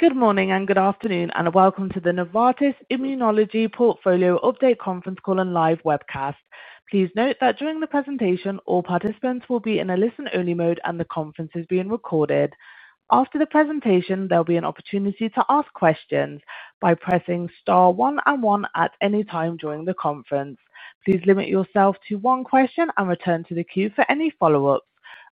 Good morning and good afternoon, and welcome to the Novartis Immunology Portfolio Update conference call and live webcast. Please note that during the presentation, all participants will be in a listen-only mode, and the conference is being recorded. After the presentation, there will be an opportunity to ask questions by pressing star one and one at any time during the conference. Please limit yourself to one question and return to the queue for any follow-ups.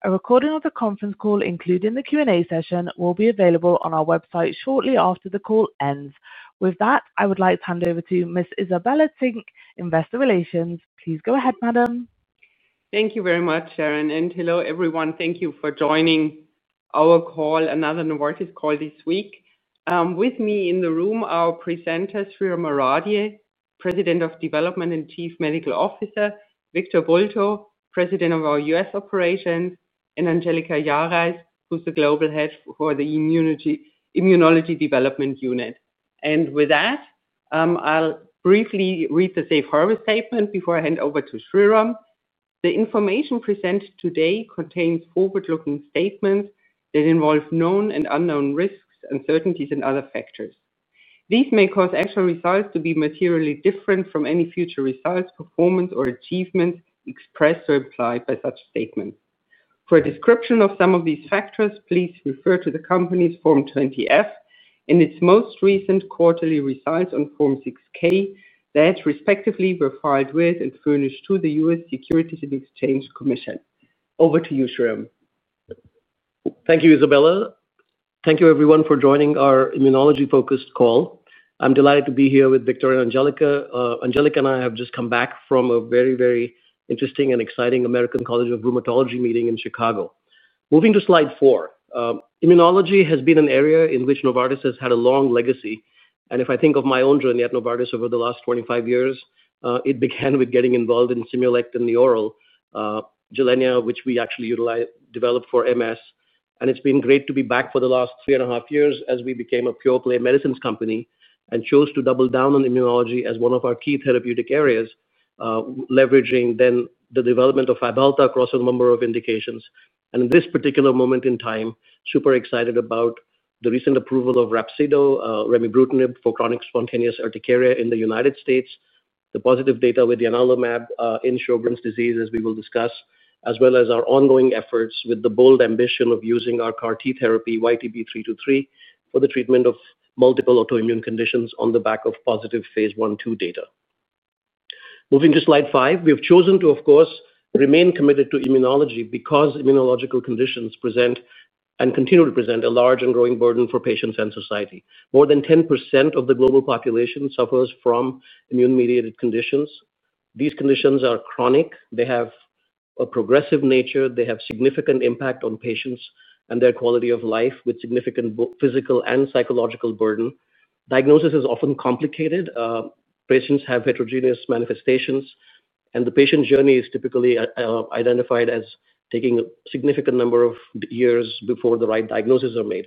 A recording of the conference call, including the Q&A session, will be available on our website shortly after the call ends. With that, I would like to hand over to Ms. Isabella Zinck, Investor Relations. Please go ahead, Madam. Thank you very much, Sharon, and hello everyone. Thank you for joining our call, another Novartis call this week. With me in the room are presenters: Shreeram Aradhye, President of Development and Chief Medical Officer, Victor Bultó, President of our U.S. Operations, and Angelika Jahreis, who's the Global Head for the Immunology Development Unit. With that, I'll briefly read the Safe Harbor statement before I hand over to Shreeram. The information presented today contains forward-looking statements that involve known and unknown risks, uncertainties, and other factors. These may cause actual results to be materially different from any future results, performance, or achievements expressed or implied by such statements. For a description of some of these factors, please refer to the company's Form 20-F and its most recent quarterly results on Form 6-K that respectively were filed with and furnished to the US Securities and Exchange Commission. Over to you, Shreeram. Thank you, Isabella. Thank you everyone for joining our immunology-focused call. I'm delighted to be here with Victor and Angelika. Angelika and I have just come back from a very, very interesting and exciting American College of Rheumatology meeting in Chicago. Moving to slide four, immunology has been an area in which Novartis has had a long legacy. If I think of my own journey at Novartis over the last 25 years, it began with getting involved in Simulect and the oral GILENYA, which we actually developed for MS. It's been great to be back for the last 3.5 years as we became a pure-play medicines company and chose to double down on immunology as one of our key therapeutic areas, leveraging then the development of FABHALTA, crossing a number of indications. In this particular moment in time, I'm super excited about the recent approval of RHAPSIDO, remibrutinib for chronic spontaneous urticaria in the United States, the positive data with ianalumab in Sjögren's disease, as we will discuss, as well as our ongoing efforts with the bold ambition of using our CAR-T therapy, YTB323, for the treatment of multiple autoimmune conditions on the back of positive phase I-II data. Moving to slide five, we have chosen to, of course, remain committed to immunology because immunological conditions present and continue to present a large and growing burden for patients and society. More than 10% of the global population suffers from immune-mediated conditions. These conditions are chronic. They have a progressive nature. They have significant impact on patients and their quality of life with significant physical and psychological burden. Diagnosis is often complicated. Patients have heterogeneous manifestations, and the patient journey is typically identified as taking a significant number of years before the right diagnoses are made.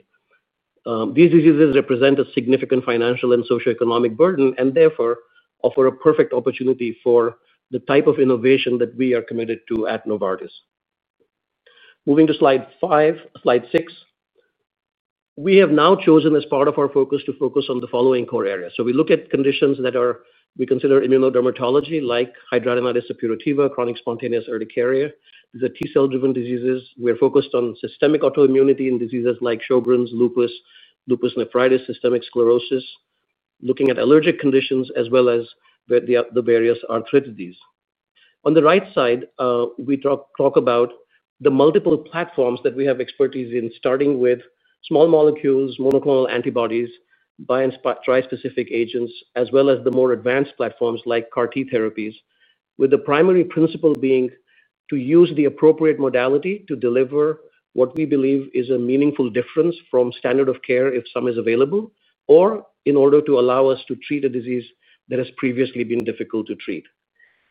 These diseases represent a significant financial and socioeconomic burden and therefore offer a perfect opportunity for the type of innovation that we are committed to at Novartis. Moving to slide six. We have now chosen as part of our focus to focus on the following core areas. We look at conditions that we consider immunodermatology, like hidradenitis suppurativa, chronic spontaneous urticaria. These are T-cell-driven diseases. We are focused on systemic autoimmunity in diseases like Sjögren's, lupus, lupus nephritis, systemic sclerosis, looking at allergic conditions, as well as the various arthritides. On the right side, we talk about the multiple platforms that we have expertise in, starting with small molecules, monoclonal antibodies, bispecific agents, as well as the more advanced platforms like CAR-T therapies, with the primary principle being to use the appropriate modality to deliver what we believe is a meaningful difference from standard of care, if some is available, or in order to allow us to treat a disease that has previously been difficult to treat.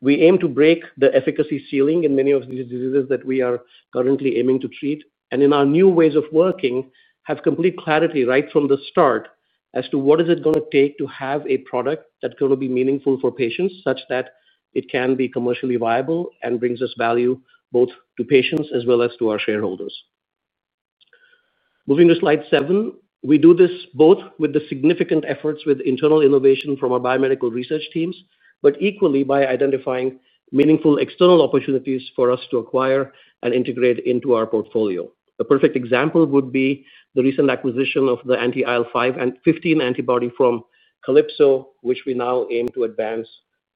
We aim to break the efficacy ceiling in many of these diseases that we are currently aiming to treat. In our new ways of working, we have complete clarity right from the start as to what is it going to take to have a product that's going to be meaningful for patients such that it can be commercially viable and brings us value both to patients as well as to our shareholders. Moving to slide seven, we do this both with the significant efforts with internal innovation from our biomedical research teams, but equally by identifying meaningful external opportunities for us to acquire and integrate into our portfolio. A perfect example would be the recent acquisition of the anti-IL-15 antibody from Calypso, which we now aim to advance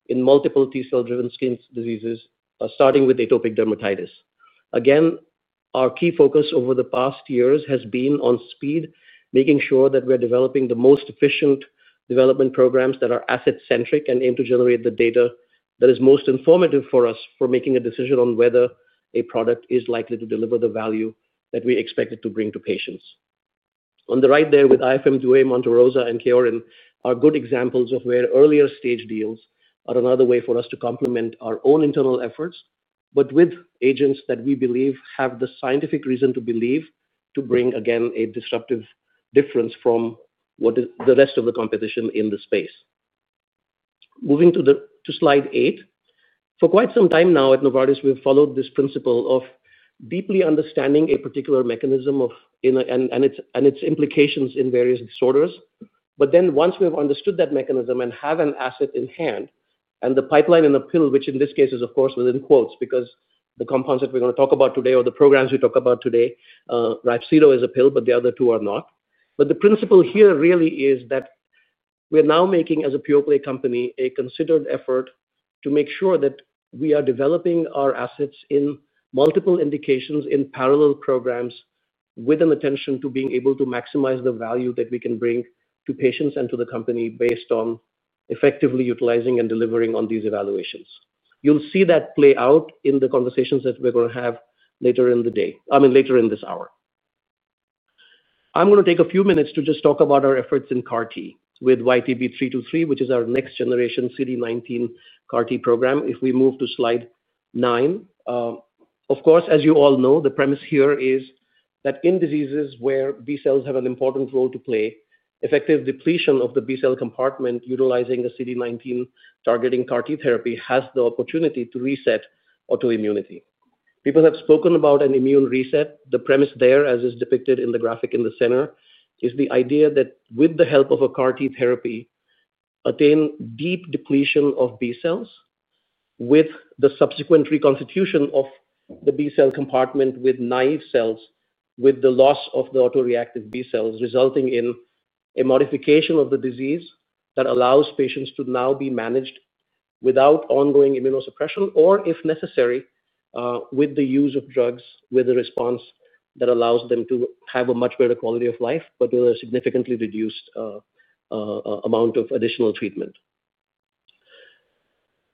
in multiple T-cell-driven diseases, starting with atopic dermatitis. Again, our key focus over the past years has been on speed, making sure that we're developing the most efficient development programs that are asset-centric and aim to generate the data that is most informative for us for making a decision on whether a product is likely to deliver the value that we expect it to bring to patients. On the right there, with IFM Due, Monte Rosa, and Kyorin, are good examples of where earlier stage deals are another way for us to complement our own internal efforts, but with agents that we believe have the scientific reason to believe to bring, again, a disruptive difference from the rest of the competition in the space. Moving to slide eight, for quite some time now at Novartis, we've followed this principle of deeply understanding a particular mechanism and its implications in various disorders. Once we've understood that mechanism and have an asset in hand, and the pipeline and the pill, which in this case is, of course, within quotes because the compounds that we're going to talk about today or the programs we talk about today, RHAPSIDO is a pill, but the other two are not. The principle here really is that. We're now making, as a pure-play company, a considered effort to make sure that we are developing our assets in multiple indications in parallel programs with an attention to being able to maximize the value that we can bring to patients and to the company based on effectively utilizing and delivering on these evaluations. You'll see that play out in the conversations that we're going to have later in the day, I mean, later in this hour. I'm going to take a few minutes to just talk about our efforts in CAR-T with YTB323, which is our next-generation CD19 CAR-T program. If we move to slide nine. Of course, as you all know, the premise here is that in diseases where B cells have an important role to play, effective depletion of the B cell compartment utilizing a CD19 targeting CAR-T therapy has the opportunity to reset autoimmunity. People have spoken about an immune reset. The premise there, as is depicted in the graphic in the center, is the idea that with the help of a CAR-T therapy, attain deep depletion of B cells with the subsequent reconstitution of the B cell compartment with naïve cells, with the loss of the autoreactive B cells, resulting in a modification of the disease that allows patients to now be managed without ongoing immunosuppression or, if necessary, with the use of drugs with a response that allows them to have a much better quality of life, but with a significantly reduced amount of additional treatment.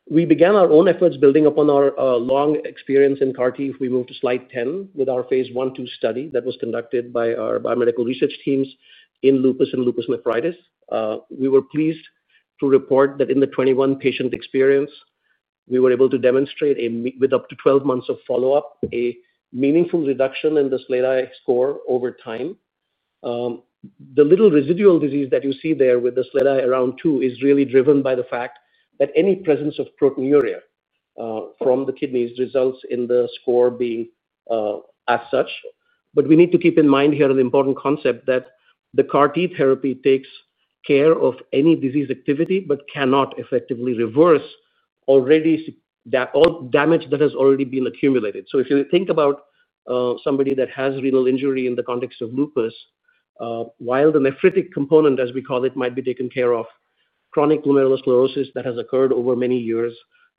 We began our own efforts building upon our long experience in CAR-T. If we move to slide 10 with our phase I-II study that was conducted by our biomedical research teams in lupus and lupus nephritis, we were pleased to report that in the 21-patient experience, we were able to demonstrate with up to 12 months of follow-up, a meaningful reduction in the SLEDAI score over time. The little residual disease that you see there with the SLEDAI around two is really driven by the fact that any presence of proteinuria from the kidneys results in the score being as such. We need to keep in mind here an important concept that the CAR-T therapy takes care of any disease activity but cannot effectively reverse all damage that has already been accumulated. If you think about somebody that has renal injury in the context of lupus, while the nephritic component, as we call it, might be taken care of, chronic glomerulosclerosis that has occurred over many years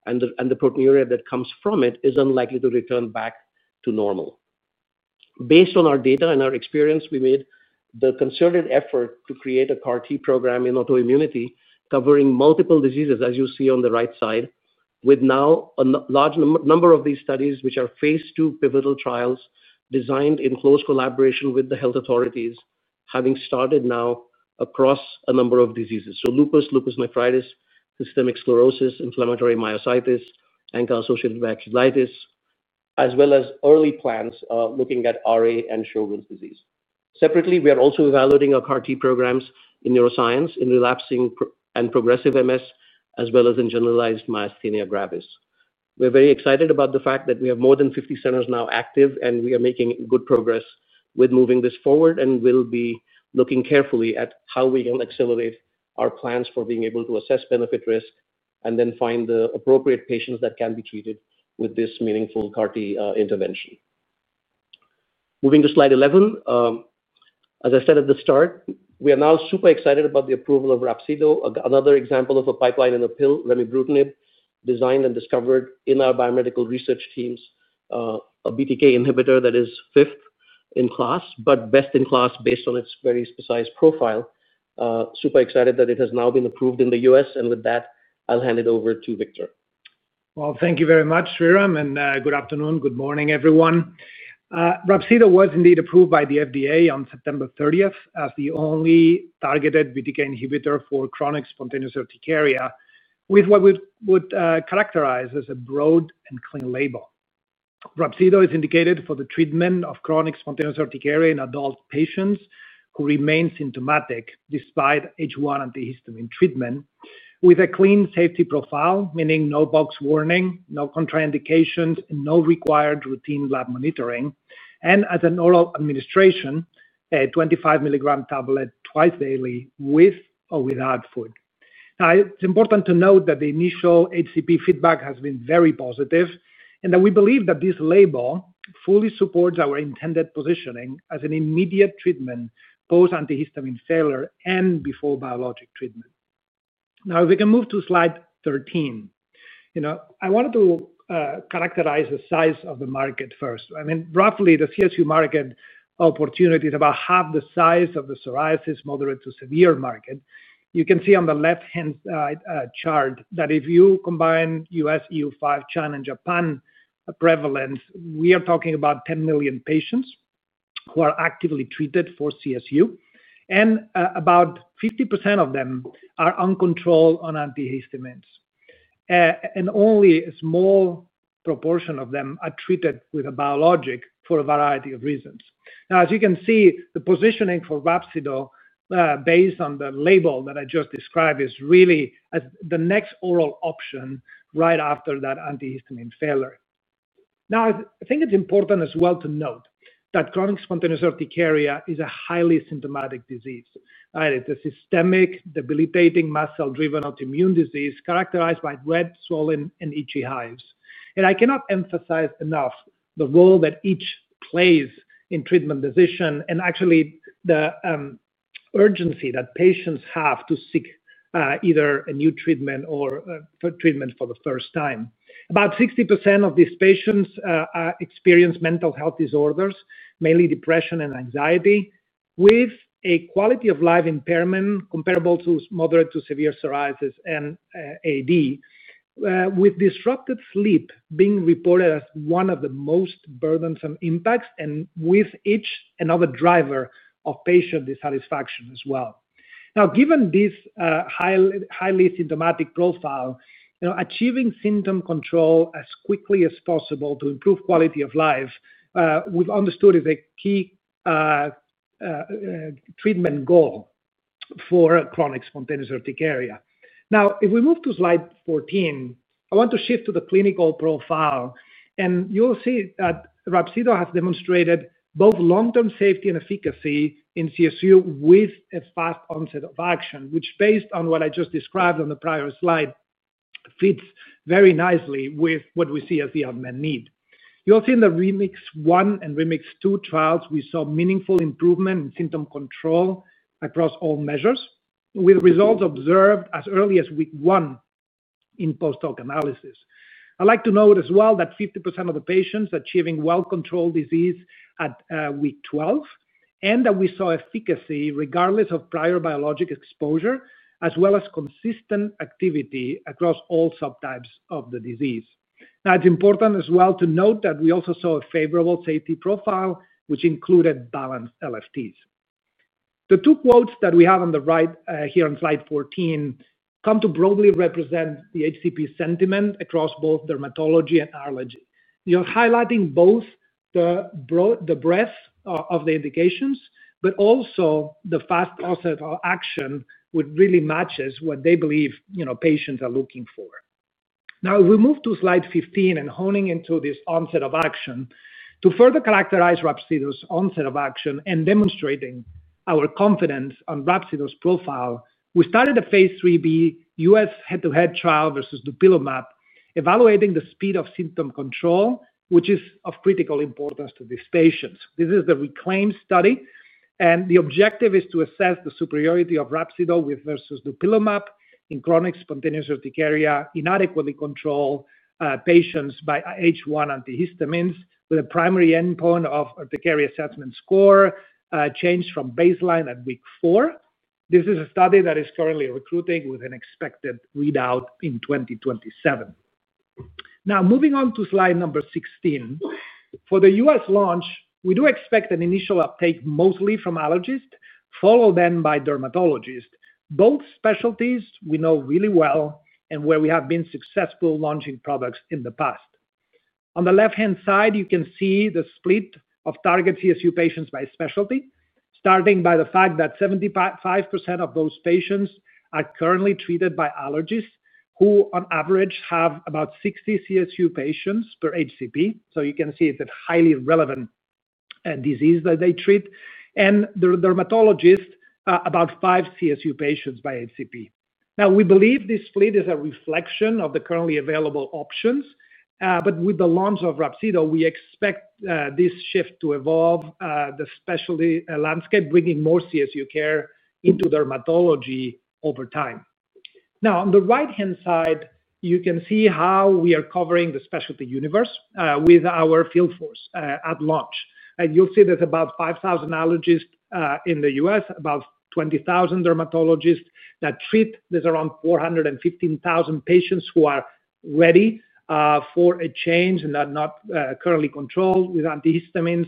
and the proteinuria that comes from it is unlikely to return back to normal. Based on our data and our experience, we made the concerted effort to create a CAR-T program in autoimmunity covering multiple diseases, as you see on the right side, with now a large number of these studies, which are phase II pivotal trials designed in close collaboration with the health authorities, having started now across a number of diseases: lupus, lupus nephritis, systemic sclerosis, inflammatory myositis, ANCA-associated vasculitis, as well as early plans looking at RA and Sjögren's disease. Separately, we are also evaluating our CAR-T programs in neuroscience, in relapsing and progressive MS, as well as in generalized myasthenia gravis. We’re very excited about the fact that we have more than 50 centers now active, and we are making good progress with moving this forward and will be looking carefully at how we can accelerate our plans for being able to assess benefit risk and then find the appropriate patients that can be treated with this meaningful CAR-T intervention. Moving to slide 11. As I said at the start, we are now super excited about the approval of RHAPSIDO, another example of a pipeline and a pill, remibrutinib, designed and discovered in our biomedical research teams. A BTK inhibitor that is fifth in class, but best in class based on its very precise profile. Super excited that it has now been approved in the U.S. With that, I’ll hand it over to Victor. Thank you very much, Shreeram. Good afternoon, good morning, everyone. RHAPSIDO was indeed approved by the FDA on September 30th as the only targeted BTK inhibitor for chronic spontaneous urticaria with what we would characterize as a broad and clean label. RHAPSIDO is indicated for the treatment of chronic spontaneous urticaria in adult patients who remain symptomatic despite H1 antihistamine treatment with a clean safety profile, meaning no box warning, no contraindications, and no required routine lab monitoring, and as an oral administration, a 25 mg tablet twice daily with or without food. It's important to note that the initial HCP feedback has been very positive and that we believe that this label fully supports our intended positioning as an immediate treatment post antihistamine failure and before biologic treatment. If we can move to slide 13. I wanted to characterize the size of the market first. Roughly, the CSU market opportunity is about half the size of the psoriasis moderate to severe market. You can see on the left-hand side chart that if you combine U.S., EU5, China, and Japan prevalence, we are talking about 10 million patients who are actively treated for CSU, and about 50% of them are uncontrolled on antihistamines. Only a small proportion of them are treated with a biologic for a variety of reasons. As you can see, the positioning for RHAPSIDO, based on the label that I just described, is really the next oral option right after that antihistamine failure. I think it's important as well to note that chronic spontaneous urticaria is a highly symptomatic disease. It's a systemic, debilitating, muscle-driven autoimmune disease characterized by red, swollen, and itchy hives. I cannot emphasize enough the role that each plays in treatment decision and actually the urgency that patients have to seek either a new treatment or treatment for the first time. About 60% of these patients experience mental health disorders, mainly depression and anxiety, with a quality of life impairment comparable to moderate to severe psoriasis and AD, with disrupted sleep being reported as one of the most burdensome impacts and with each another driver of patient dissatisfaction as well. Given this highly symptomatic profile, achieving symptom control as quickly as possible to improve quality of life, we've understood is a key treatment goal for chronic spontaneous urticaria. Now, if we move to slide 14, I want to shift to the clinical profile. You'll see that RHAPSIDO has demonstrated both long-term safety and efficacy in CSU with a fast onset of action, which, based on what I just described on the prior slide, fits very nicely with what we see as the admin need. You'll see in the REMIX-1 and REMIX-2 trials, we saw meaningful improvement in symptom control across all measures, with results observed as early as week one. In post-op analysis, I'd like to note as well that 50% of the patients achieved well-controlled disease at week 12, and that we saw efficacy regardless of prior biologic exposure, as well as consistent activity across all subtypes of the disease. It's important as well to note that we also saw a favorable safety profile, which included balanced LFTs. The two quotes that we have on the right here on slide 14 come to broadly represent the HCP sentiment across both dermatology and allergy. You're highlighting both the breadth of the indications, but also the fast onset of action, which really matches what they believe patients are looking for. Now, if we move to slide 15 and hone into this onset of action, to further characterize RHAPSIDO's onset of action and demonstrating our confidence on RHAPSIDO's profile, we started a phase III-B U.S. head-to-head trial versus dupilumab, evaluating the speed of symptom control, which is of critical importance to these patients. This is the RECLAIM study, and the objective is to assess the superiority of RHAPSIDO versus dupilumab in chronic spontaneous urticaria inadequately controlled patients by H1 antihistamines, with a primary endpoint of urticaria assessment score change from baseline at week four. This is a study that is currently recruiting with an expected readout in 2027. Now, moving on to slide number 16. For the U.S. launch, we do expect an initial uptake mostly from allergists, followed then by dermatologists, both specialties we know really well and where we have been successful launching products in the past. On the left-hand side, you can see the split of target CSU patients by specialty, starting by the fact that 75% of those patients are currently treated by allergists who, on average, have about 60 CSU patients per HCP. You can see it's a highly relevant disease that they treat, and the dermatologists, about five CSU patients by HCP. We believe this split is a reflection of the currently available options. With the launch of RHAPSIDO, we expect this shift to evolve the specialty landscape, bringing more CSU care into dermatology over time. On the right-hand side, you can see how we are covering the specialty universe with our field force at launch. You'll see there's about 5,000 allergists in the U.S., about 20,000 dermatologists that treat. There's around 415,000 patients who are ready for a change and are not currently controlled with antihistamines.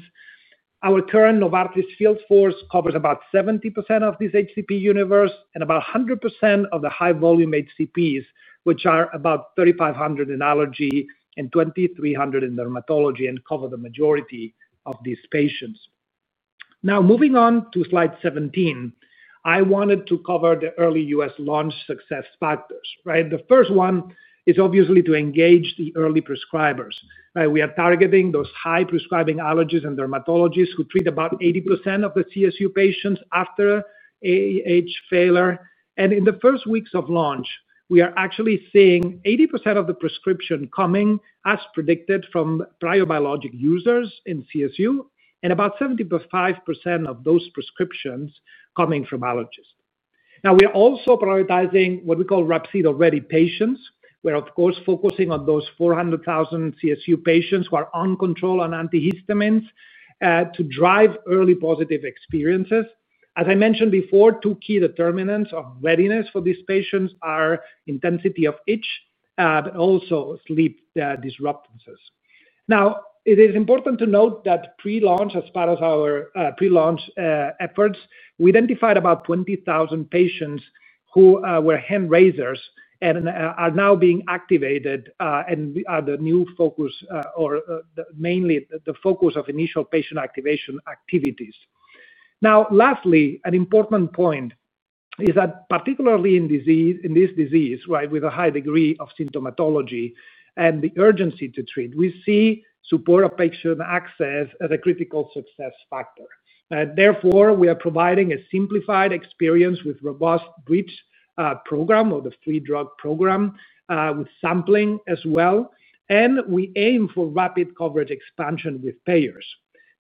Our current Novartis field force covers about 70% of this HCP universe and about 100% of the high-volume HCPs, which are about 3,500 in allergy and 2,300 in dermatology and cover the majority of these patients. Moving on to slide 17, I wanted to cover the early U.S. launch success factors. The first one is obviously to engage the early prescribers. We are targeting those high-prescribing allergists and dermatologists who treat about 80% of the CSU patients after failure. In the first weeks of launch, we are actually seeing 80% of the prescriptions coming as predicted from prior biologic users in CSU and about 75% of those prescriptions coming from allergists. We are also prioritizing what we call RHAPSIDO-ready patients. We're, of course, focusing on those 400,000 CSU patients who are uncontrolled on antihistamines to drive early positive experiences. As I mentioned before, two key determinants of readiness for these patients are intensity of itch, but also sleep disturbances. It is important to note that pre-launch, as part of our pre-launch efforts, we identified about 20,000 patients who were hand raisers and are now being activated and are mainly the focus of initial patient activation activities. Lastly, an important point is that particularly in this disease, with a high degree of symptomatology and the urgency to treat, we see support of patient access as a critical success factor. Therefore, we are providing a simplified experience with a robust bridge program or the free drug program with sampling as well. We aim for rapid coverage expansion with payers.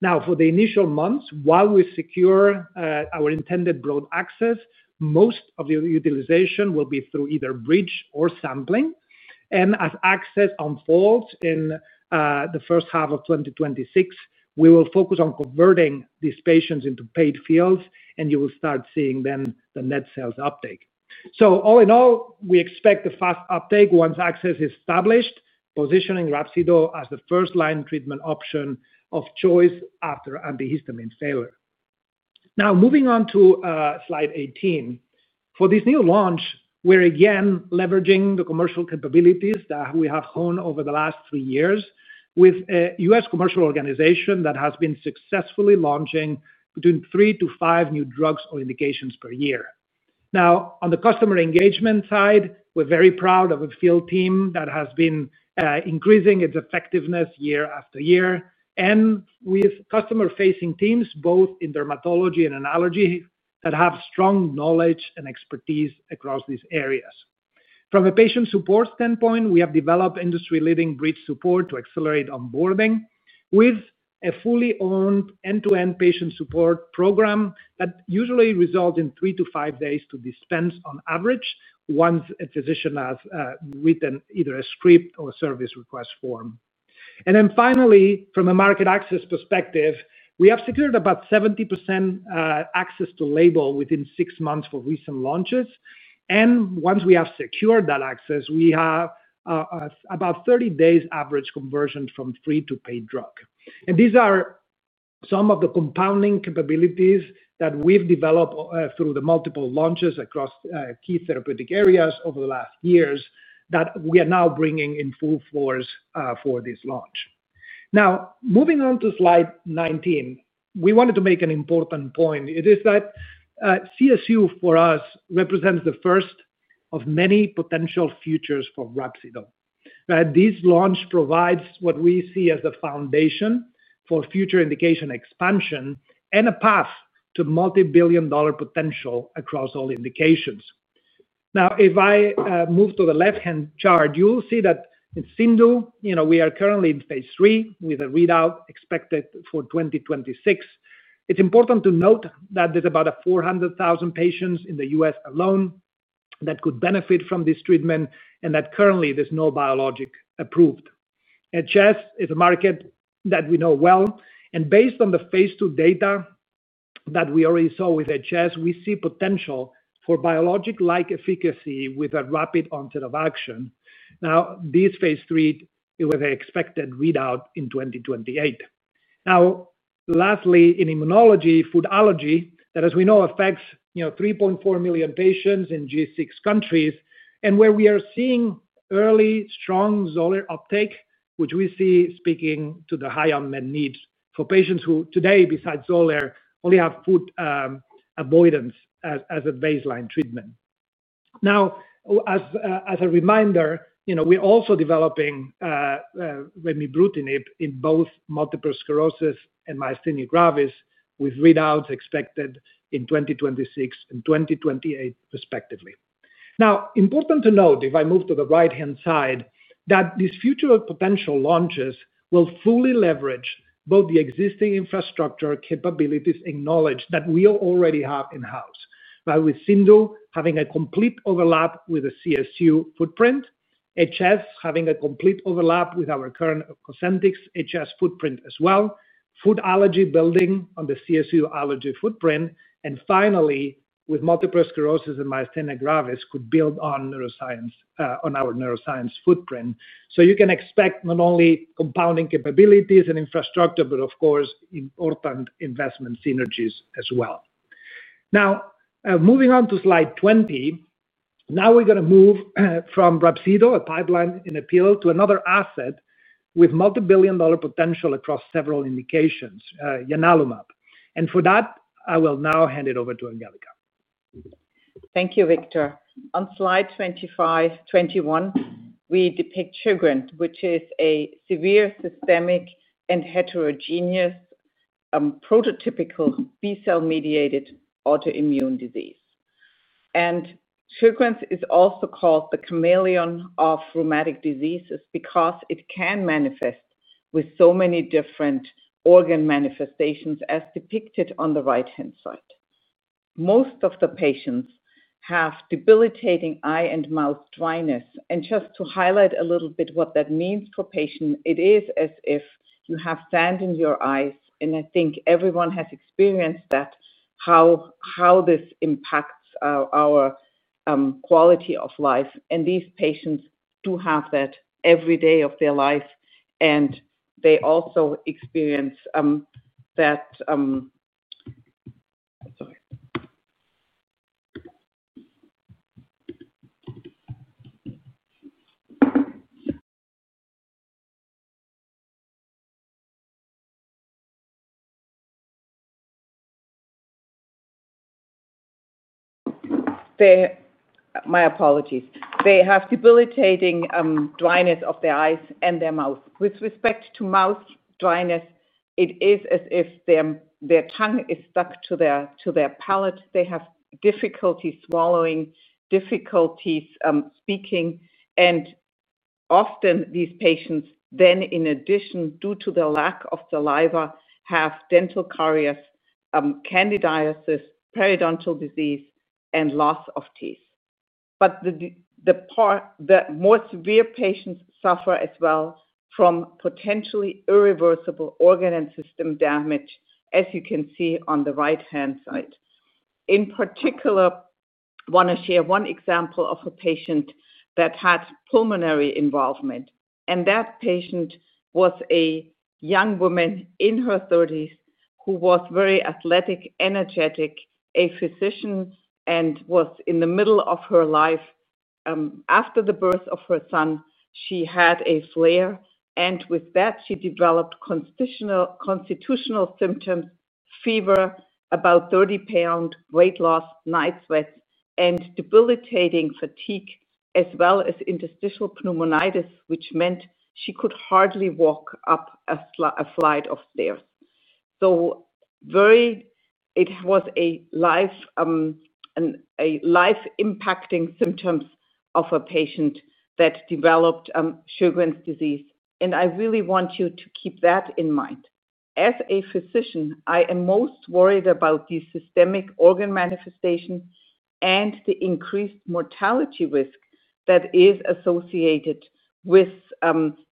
For the initial months, while we secure our intended broad access, most of the utilization will be through either bridge or sampling. As access unfolds in the first half of 2026, we will focus on converting these patients into paid fills, and you will start seeing then the net sales uptake. All in all, we expect a fast uptake once access is established, positioning RHAPSIDO as the first-line treatment option of choice after antihistamine failure. Now, moving on to slide 18. For this new launch, we're again leveraging the commercial capabilities that we have honed over the last three years with a U.S. commercial organization that has been successfully launching between three to five new drugs or indications per year. On the customer engagement side, we're very proud of a field team that has been increasing its effectiveness year after year, with customer-facing teams both in dermatology and allergy that have strong knowledge and expertise across these areas. From a patient support standpoint, we have developed industry-leading bridge support to accelerate onboarding with a fully owned end-to-end patient support program that usually results in three to five days to dispense on average once a physician has written either a script or service request form. Finally, from a market access perspective, we have secured about 70% access to label within six months for recent launches. Once we have secured that access, we have about 30 days average conversion from free to paid drug. These are some of the compounding capabilities that we've developed through the multiple launches across key therapeutic areas over the last years that we are now bringing in full force for this launch. Now, moving on to slide 19, we wanted to make an important point. It is that CSU for us represents the first of many potential futures for RHAPSIDO. This launch provides what we see as the foundation for future indication expansion and a path to multi-billion dollar potential across all indications. If I move to the left-hand chart, you'll see that in CIndU, we are currently in phase III with a readout expected for 2026. It's important to note that there's about 400,000 patients in the U.S. alone that could benefit from this treatment and that currently there's no biologic approved. HS is a market that we know well, and based on the phase II data that we already saw with HS, we see potential for biologic-like efficacy with a rapid onset of action. This phase III has an expected readout in 2028. Now, lastly, in immunology, food allergy that, as we know, affects 3.4 million patients in G6 countries, and where we are seeing early strong XOLAIR uptake, which we see speaking to the high unmet needs for patients who today, besides XOLAIR, only have food avoidance as a baseline treatment. Now, as a reminder, we're also developing remibrutinib in both multiple sclerosis and myasthenia gravis with readouts expected in 2026 and 2028, respectively. Important to note, if I move to the right-hand side, that these future potential launches will fully leverage both the existing infrastructure capabilities and knowledge that we already have in-house, with CIndU having a complete overlap with the CSU footprint, HS having a complete overlap with our current COSENTYX HS footprint as well, food allergy building on the CSU allergy footprint, and finally, with multiple sclerosis and myasthenia gravis, could build on our neuroscience footprint. You can expect not only compounding capabilities and infrastructure, but of course, important investment synergies as well. Now, moving on to slide 20. Now we're going to move from RHAPSIDO, a pipeline in appeal, to another asset with multi-billion dollar potential across several indications, ianalumab. For that, I will now hand it over to Angelika. Thank you, Victor. On slide 21. We depict Sjögren's, which is a severe systemic and heterogeneous prototypical B-cell-mediated autoimmune disease. Sjögren's is also called the chameleon of rheumatic diseases because it can manifest with so many different organ manifestations, as depicted on the right-hand side. Most of the patients have debilitating eye and mouth dryness. Just to highlight a little bit what that means for patients, it is as if you have sand in your eyes. I think everyone has experienced that, how this impacts our quality of life. These patients do have that every day of their life. They also experience that. My apologies. They have debilitating dryness of their eyes and their mouth. With respect to mouth dryness, it is as if their tongue is stuck to their palate. They have difficulty swallowing, difficulties speaking. Often, these patients then, in addition, due to the lack of saliva, have dental caries, candidiasis, periodontal disease, and loss of teeth. The more severe patients suffer as well from potentially irreversible organ and system damage, as you can see on the right-hand side. In particular. I want to share one example of a patient that had pulmonary involvement. That patient was a young woman in her 30s who was very athletic, energetic, a physician, and was in the middle of her life. After the birth of her son, she had a flare. With that, she developed constitutional symptoms, fever, about 30 lbs weight loss, night sweats, and debilitating fatigue, as well as interstitial pneumonitis, which meant she could hardly walk up a flight of stairs. It was a life-impacting set of symptoms for a patient that developed Sjögren's disease. I really want you to keep that in mind. As a physician, I am most worried about these systemic organ manifestations and the increased mortality risk that is associated with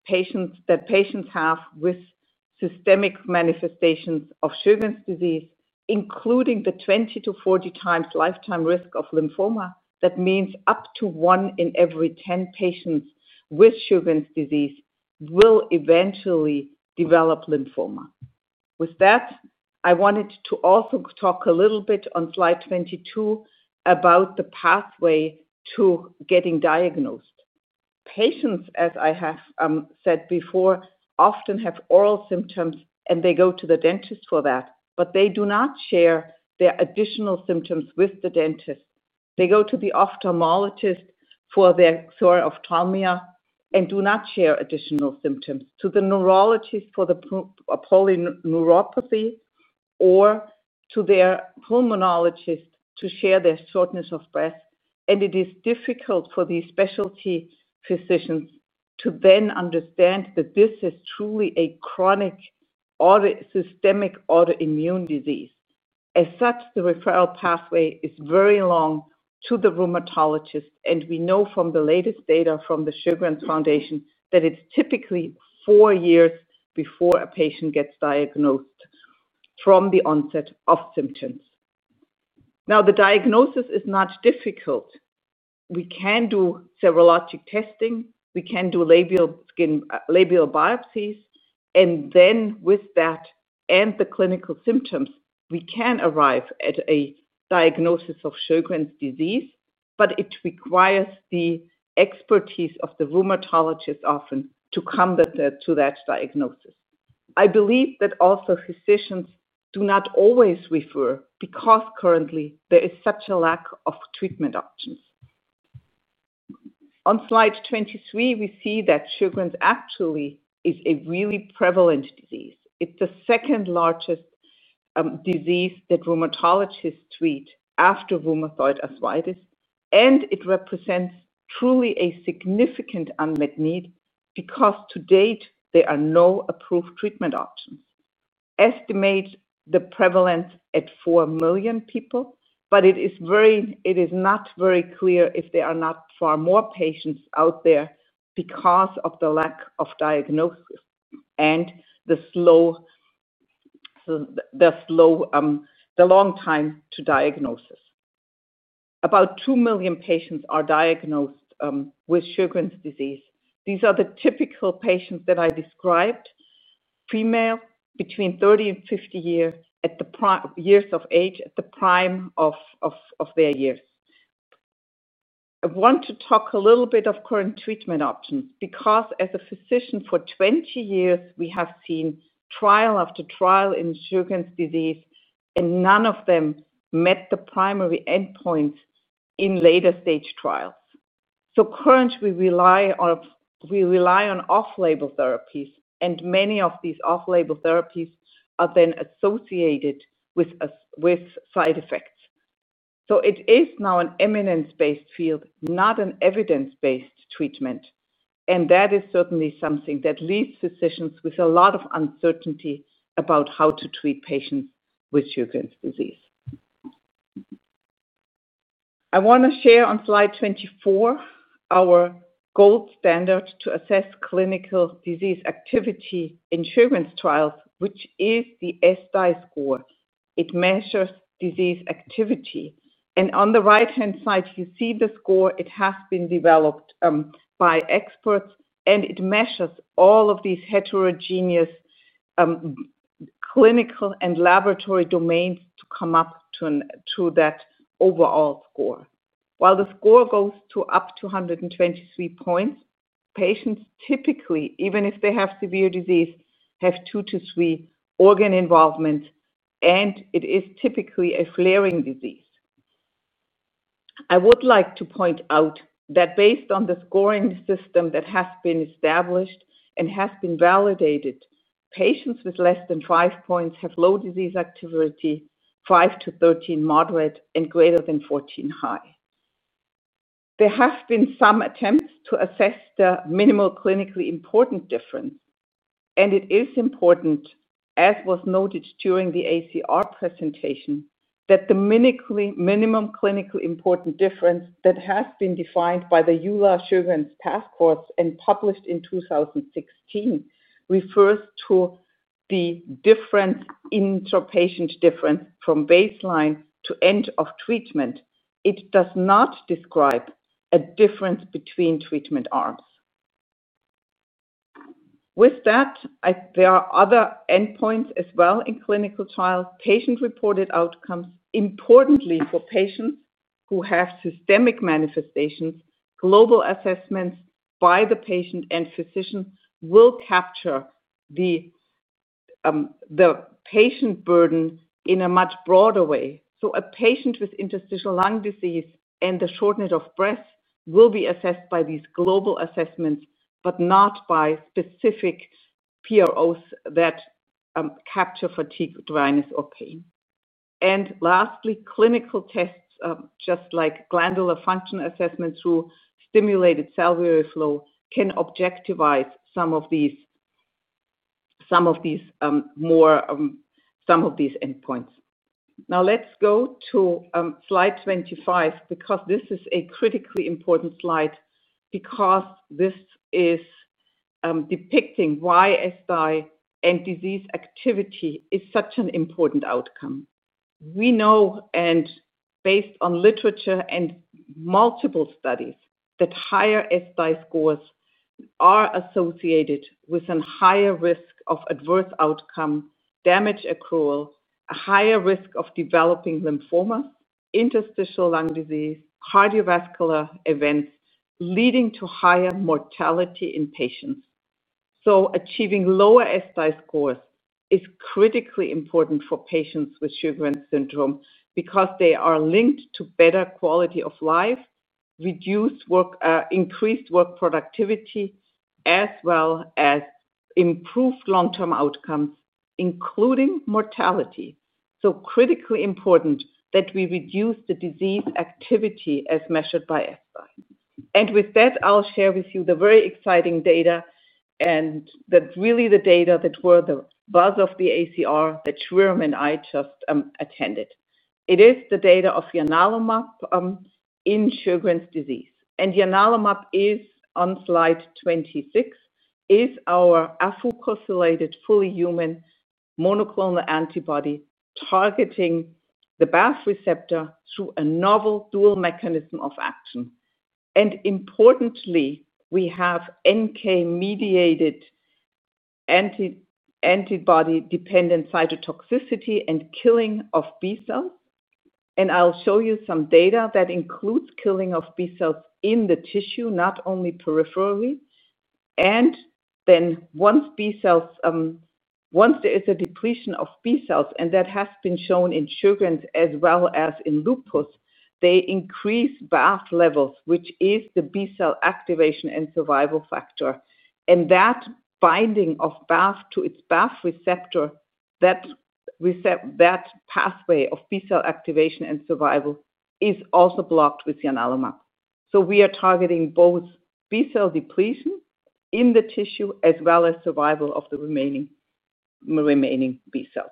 patients that have systemic manifestations of Sjögren's disease, including the 20-40 times lifetime risk of lymphoma. That means up to one in every 10 patients with Sjögren's disease will eventually develop lymphoma. With that, I wanted to also talk a little bit on slide 22 about the pathway to getting diagnosed. Patients, as I have said before, often have oral symptoms, and they go to the dentist for that, but they do not share their additional symptoms with the dentist. They go to the ophthalmologist for their sore ophthalmia and do not share additional symptoms, to the neurologist for the polyneuropathy, or to their pulmonologist to share their shortness of breath. It is difficult for these specialty physicians to then understand that this is truly a chronic, systemic autoimmune disease. As such, the referral pathway is very long to the rheumatologist. We know from the latest data from the Sjögren's Foundation that it's typically four years before a patient gets diagnosed from the onset of symptoms. Now, the diagnosis is not difficult. We can do serologic testing. We can do labial biopsies. With that and the clinical symptoms, we can arrive at a diagnosis of Sjögren's disease, but it requires the expertise of the rheumatologist often to come to that diagnosis. I believe that also physicians do not always refer because currently there is such a lack of treatment options. On slide 23, we see that Sjögren's actually is a really prevalent disease. It's the second largest disease that rheumatologists treat after rheumatoid arthritis. It represents truly a significant unmet need because to date, there are no approved treatment options. Estimates the prevalence at 4 million people, but it is not very clear if there are not far more patients out there because of the lack of diagnosis and the slow, long time to diagnosis. About 2 million patients are diagnosed with Sjögren's disease. These are the typical patients that I described, female between 30 and 50 years of age at the prime of their years. I want to talk a little bit of current treatment options because as a physician for 20 years, we have seen trial after trial in Sjögren's disease, and none of them met the primary endpoints in later stage trials. Currently, we rely on off-label therapies, and many of these off-label therapies are then associated with side effects. It is now an evidence-based field, not an evidence-based treatment, and that is certainly something that leaves physicians with a lot of uncertainty about how to treat patients with Sjögren's disease. I want to share on slide 24 our gold standard to assess clinical disease activity in Sjögren's trials, which is the ESSDAI score. It measures disease activity, and on the right-hand side, you see the score. It has been developed by experts, and it measures all of these heterogeneous clinical and laboratory domains to come up to that overall score. While the score goes up to 123 points, patients typically, even if they have severe disease, have two to three organ involvements, and it is typically a flaring disease. I would like to point out that based on the scoring system that has been established and has been validated, patients with less than 5 points have low disease activity, 5-13 moderate, and greater than 14 high. There have been some attempts to assess the minimal clinically important difference. It is important, as was noted during the ACR presentation, that the minimum clinically important difference that has been defined by the EULAR Sjögren's Path course and published in 2016 refers to the difference in patient difference from baseline to end of treatment. It does not describe a difference between treatment arms. With that, there are other endpoints as well in clinical trials. Patient-reported outcomes, importantly for patients who have systemic manifestations, global assessments by the patient and physician will capture the patient burden in a much broader way. A patient with interstitial lung disease and the shortness of breath will be assessed by these global assessments, but not by specific PROs that capture fatigue, dryness, or pain. Lastly, clinical tests, just like glandular function assessment through stimulated salivary flow, can objectivize some of these endpoints. Now, let's go to slide 25 because this is a critically important slide. This is depicting why ESSDAI and disease activity is such an important outcome. We know, based on literature and multiple studies, that higher ESSDAI scores are associated with a higher risk of adverse outcome, damage accrual, a higher risk of developing lymphomas, interstitial lung disease, cardiovascular events leading to higher mortality in patients. Achieving lower ESSDAI scores is critically important for patients with Sjögren's disease because they are linked to better quality of life, increased work productivity, as well as improved long-term outcomes, including mortality. It is critically important that we reduce the disease activity as measured by ESSDAI. With that, I'll share with you the very exciting data. That's really the data that were the buzz of the ACR that Shreeram and I just attended. It is the data of ianalumab in Sjögren's disease. ianalumab, on slide 26, is our afucosylated fully human monoclonal antibody targeting the BAFF receptor through a novel dual mechanism of action. Importantly, we have NK-mediated antibody-dependent cytotoxicity and killing of B cells. I'll show you some data that includes killing of B cells in the tissue, not only peripherally. Once there is a depletion of B cells, and that has been shown in Sjögren's as well as in lupus, they increase BAFF levels, which is the B cell activation and survival factor. That binding of BAFF to its BAFF receptor, that pathway of B cell activation and survival, is also blocked with ianalumab. We are targeting both B cell depletion in the tissue as well as survival of the remaining B cells.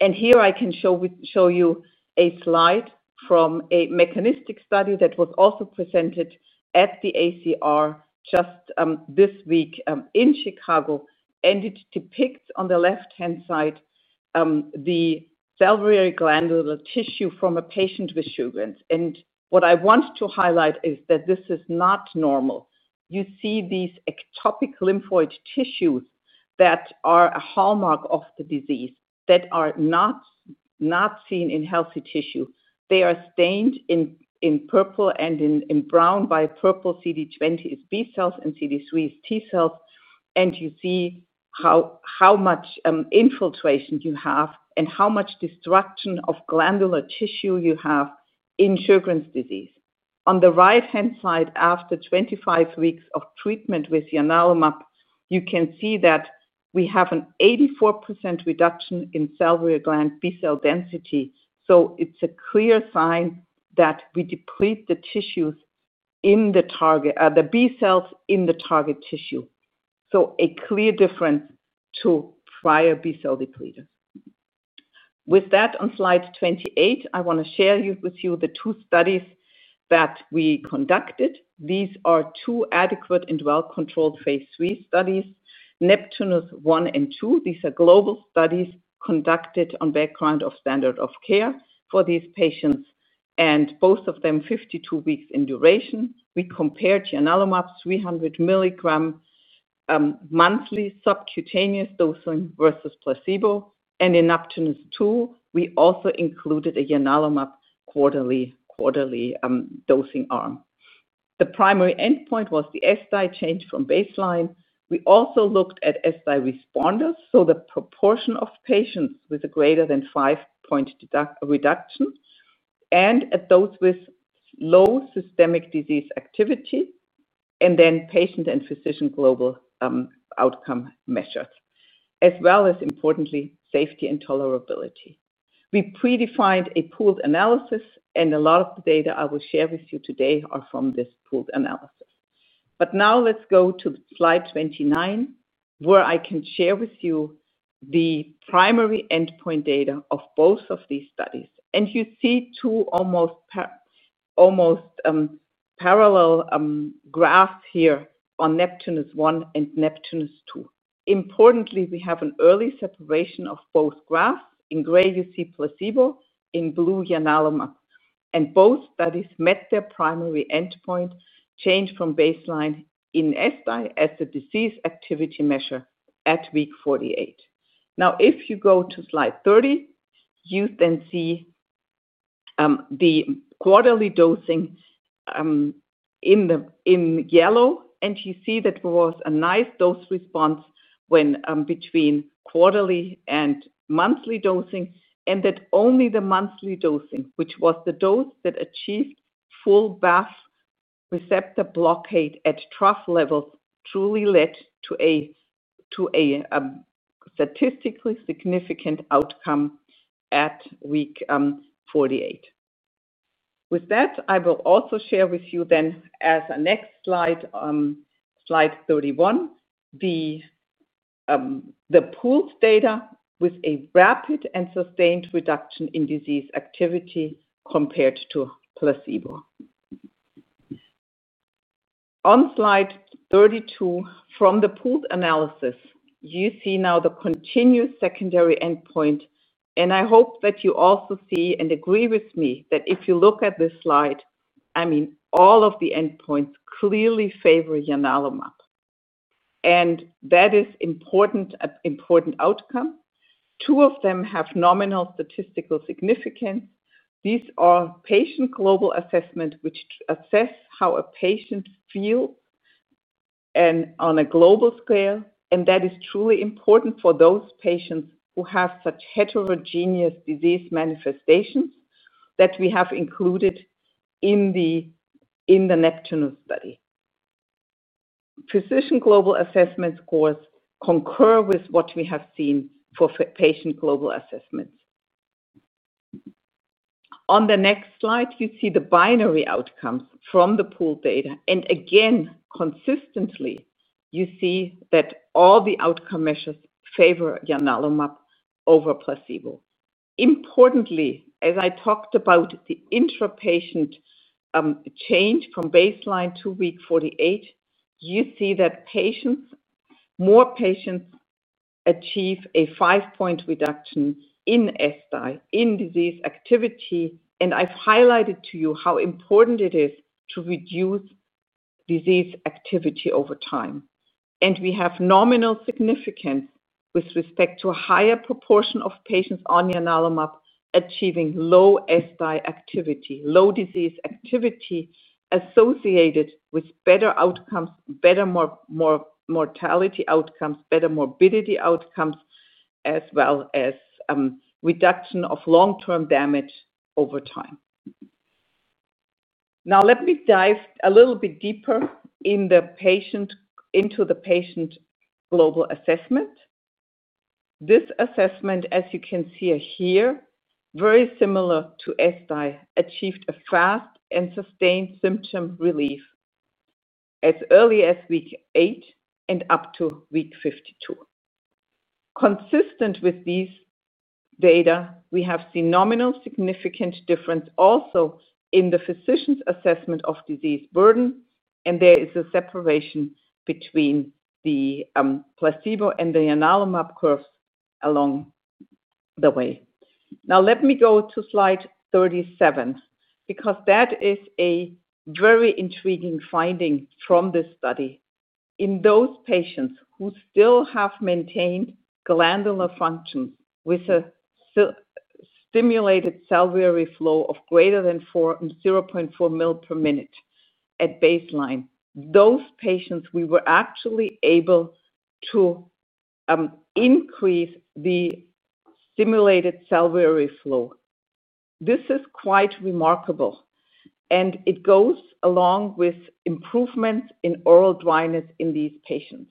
Here I can show you a slide from a mechanistic study that was also presented at the ACR just this week in Chicago. It depicts, on the left-hand side, the salivary glandular tissue from a patient with Sjögren's. What I want to highlight is that this is not normal. You see these ectopic lymphoid tissues that are a hallmark of the disease that are not seen in healthy tissue. They are stained in purple and in brown by purple CD20s B cells and CD3s T cells. You see how much infiltration you have and how much destruction of glandular tissue you have in Sjögren's disease. On the right-hand side, after 25 weeks of treatment with ianalumab, you can see that we have an 84% reduction in salivary gland B cell density. It's a clear sign that we deplete the tissues in the target, the B cells in the target tissue. A clear difference to prior B cell depleters. With that, on slide 28, I want to share with you the two studies that we conducted. These are two adequate and well-controlled phase III studies, NEPTUNUS-1 and 2. These are global studies conducted on the background of standard of care for these patients, and both of them are 52 weeks in duration. We compared ianalumab 300 mg monthly subcutaneous dosing versus placebo. In NEPTUNUS-2, we also included a ianalumab quarterly dosing arm. The primary endpoint was the ESSDAI change from baseline. We also looked at ESSDAI responders, so the proportion of patients with a greater than five-point reduction, and those with low systemic disease activity, and then patient and physician global outcome measures, as well as, importantly, safety and tolerability. We predefined a pooled analysis, and a lot of the data I will share with you today are from this pooled analysis. Now let's go to slide 29, where I can share with you the primary endpoint data of both of these studies. You see two almost parallel graphs here on NEPTUNUS-1 and NEPTUNUS-2. Importantly, we have an early separation of both graphs. In gray, you see placebo. In blue, ianalumab. Both studies met their primary endpoint, changed from baseline in ESSDAI as the disease activity measure at week 48. If you go to slide 30, you then see the quarterly dosing in yellow, and you see that there was a nice dose response between quarterly and monthly dosing, and that only the monthly dosing, which was the dose that achieved full BAFF receptor blockade at trough levels, truly led to a statistically significant outcome at week 48. With that, I will also share with you then as a next slide, slide 31, the pooled data with a rapid and sustained reduction in disease activity compared to placebo. On slide 32, from the pooled analysis, you see now the continuous secondary endpoint. I hope that you also see and agree with me that if you look at this slide, all of the endpoints clearly favor ianalumab. That is an important outcome. Two of them have nominal statistical significance. These are patient global assessments, which assess how a patient feels on a global scale. That is truly important for those patients who have such heterogeneous disease manifestations that we have included in the NEPTUNUS study. Physician global assessment scores concur with what we have seen for patient global assessments. On the next slide, you see the binary outcomes from the pooled data. Again, consistently, you see that all the outcome measures favor ianalumab over placebo. Importantly, as I talked about the intrapatient change from baseline to week 48, you see that more patients achieve a five-point reduction in ESSDAI, in disease activity. I've highlighted to you how important it is to reduce disease activity over time. We have nominal significance with respect to a higher proportion of patients on ianalumab achieving low ESSDAI activity, low disease activity associated with better outcomes, better mortality outcomes, better morbidity outcomes, as well as reduction of long-term damage over time. Now, let me dive a little bit deeper into the patient global assessment. This assessment, as you can see here, very similar to ESSDAI, achieved a fast and sustained symptom relief as early as week 8 and up to week 52. Consistent with these data, we have seen nominal significant difference also in the physician's assessment of disease burden, and there is a separation between the placebo and the ianalumab curves along the way. Now, let me go to slide 37 because that is a very intriguing finding from this study. In those patients who still have maintained glandular functions with a stimulated salivary flow of greater than 0.4 mL per minute at baseline, those patients, we were actually able to increase the stimulated salivary flow. This is quite remarkable, and it goes along with improvements in oral dryness in these patients.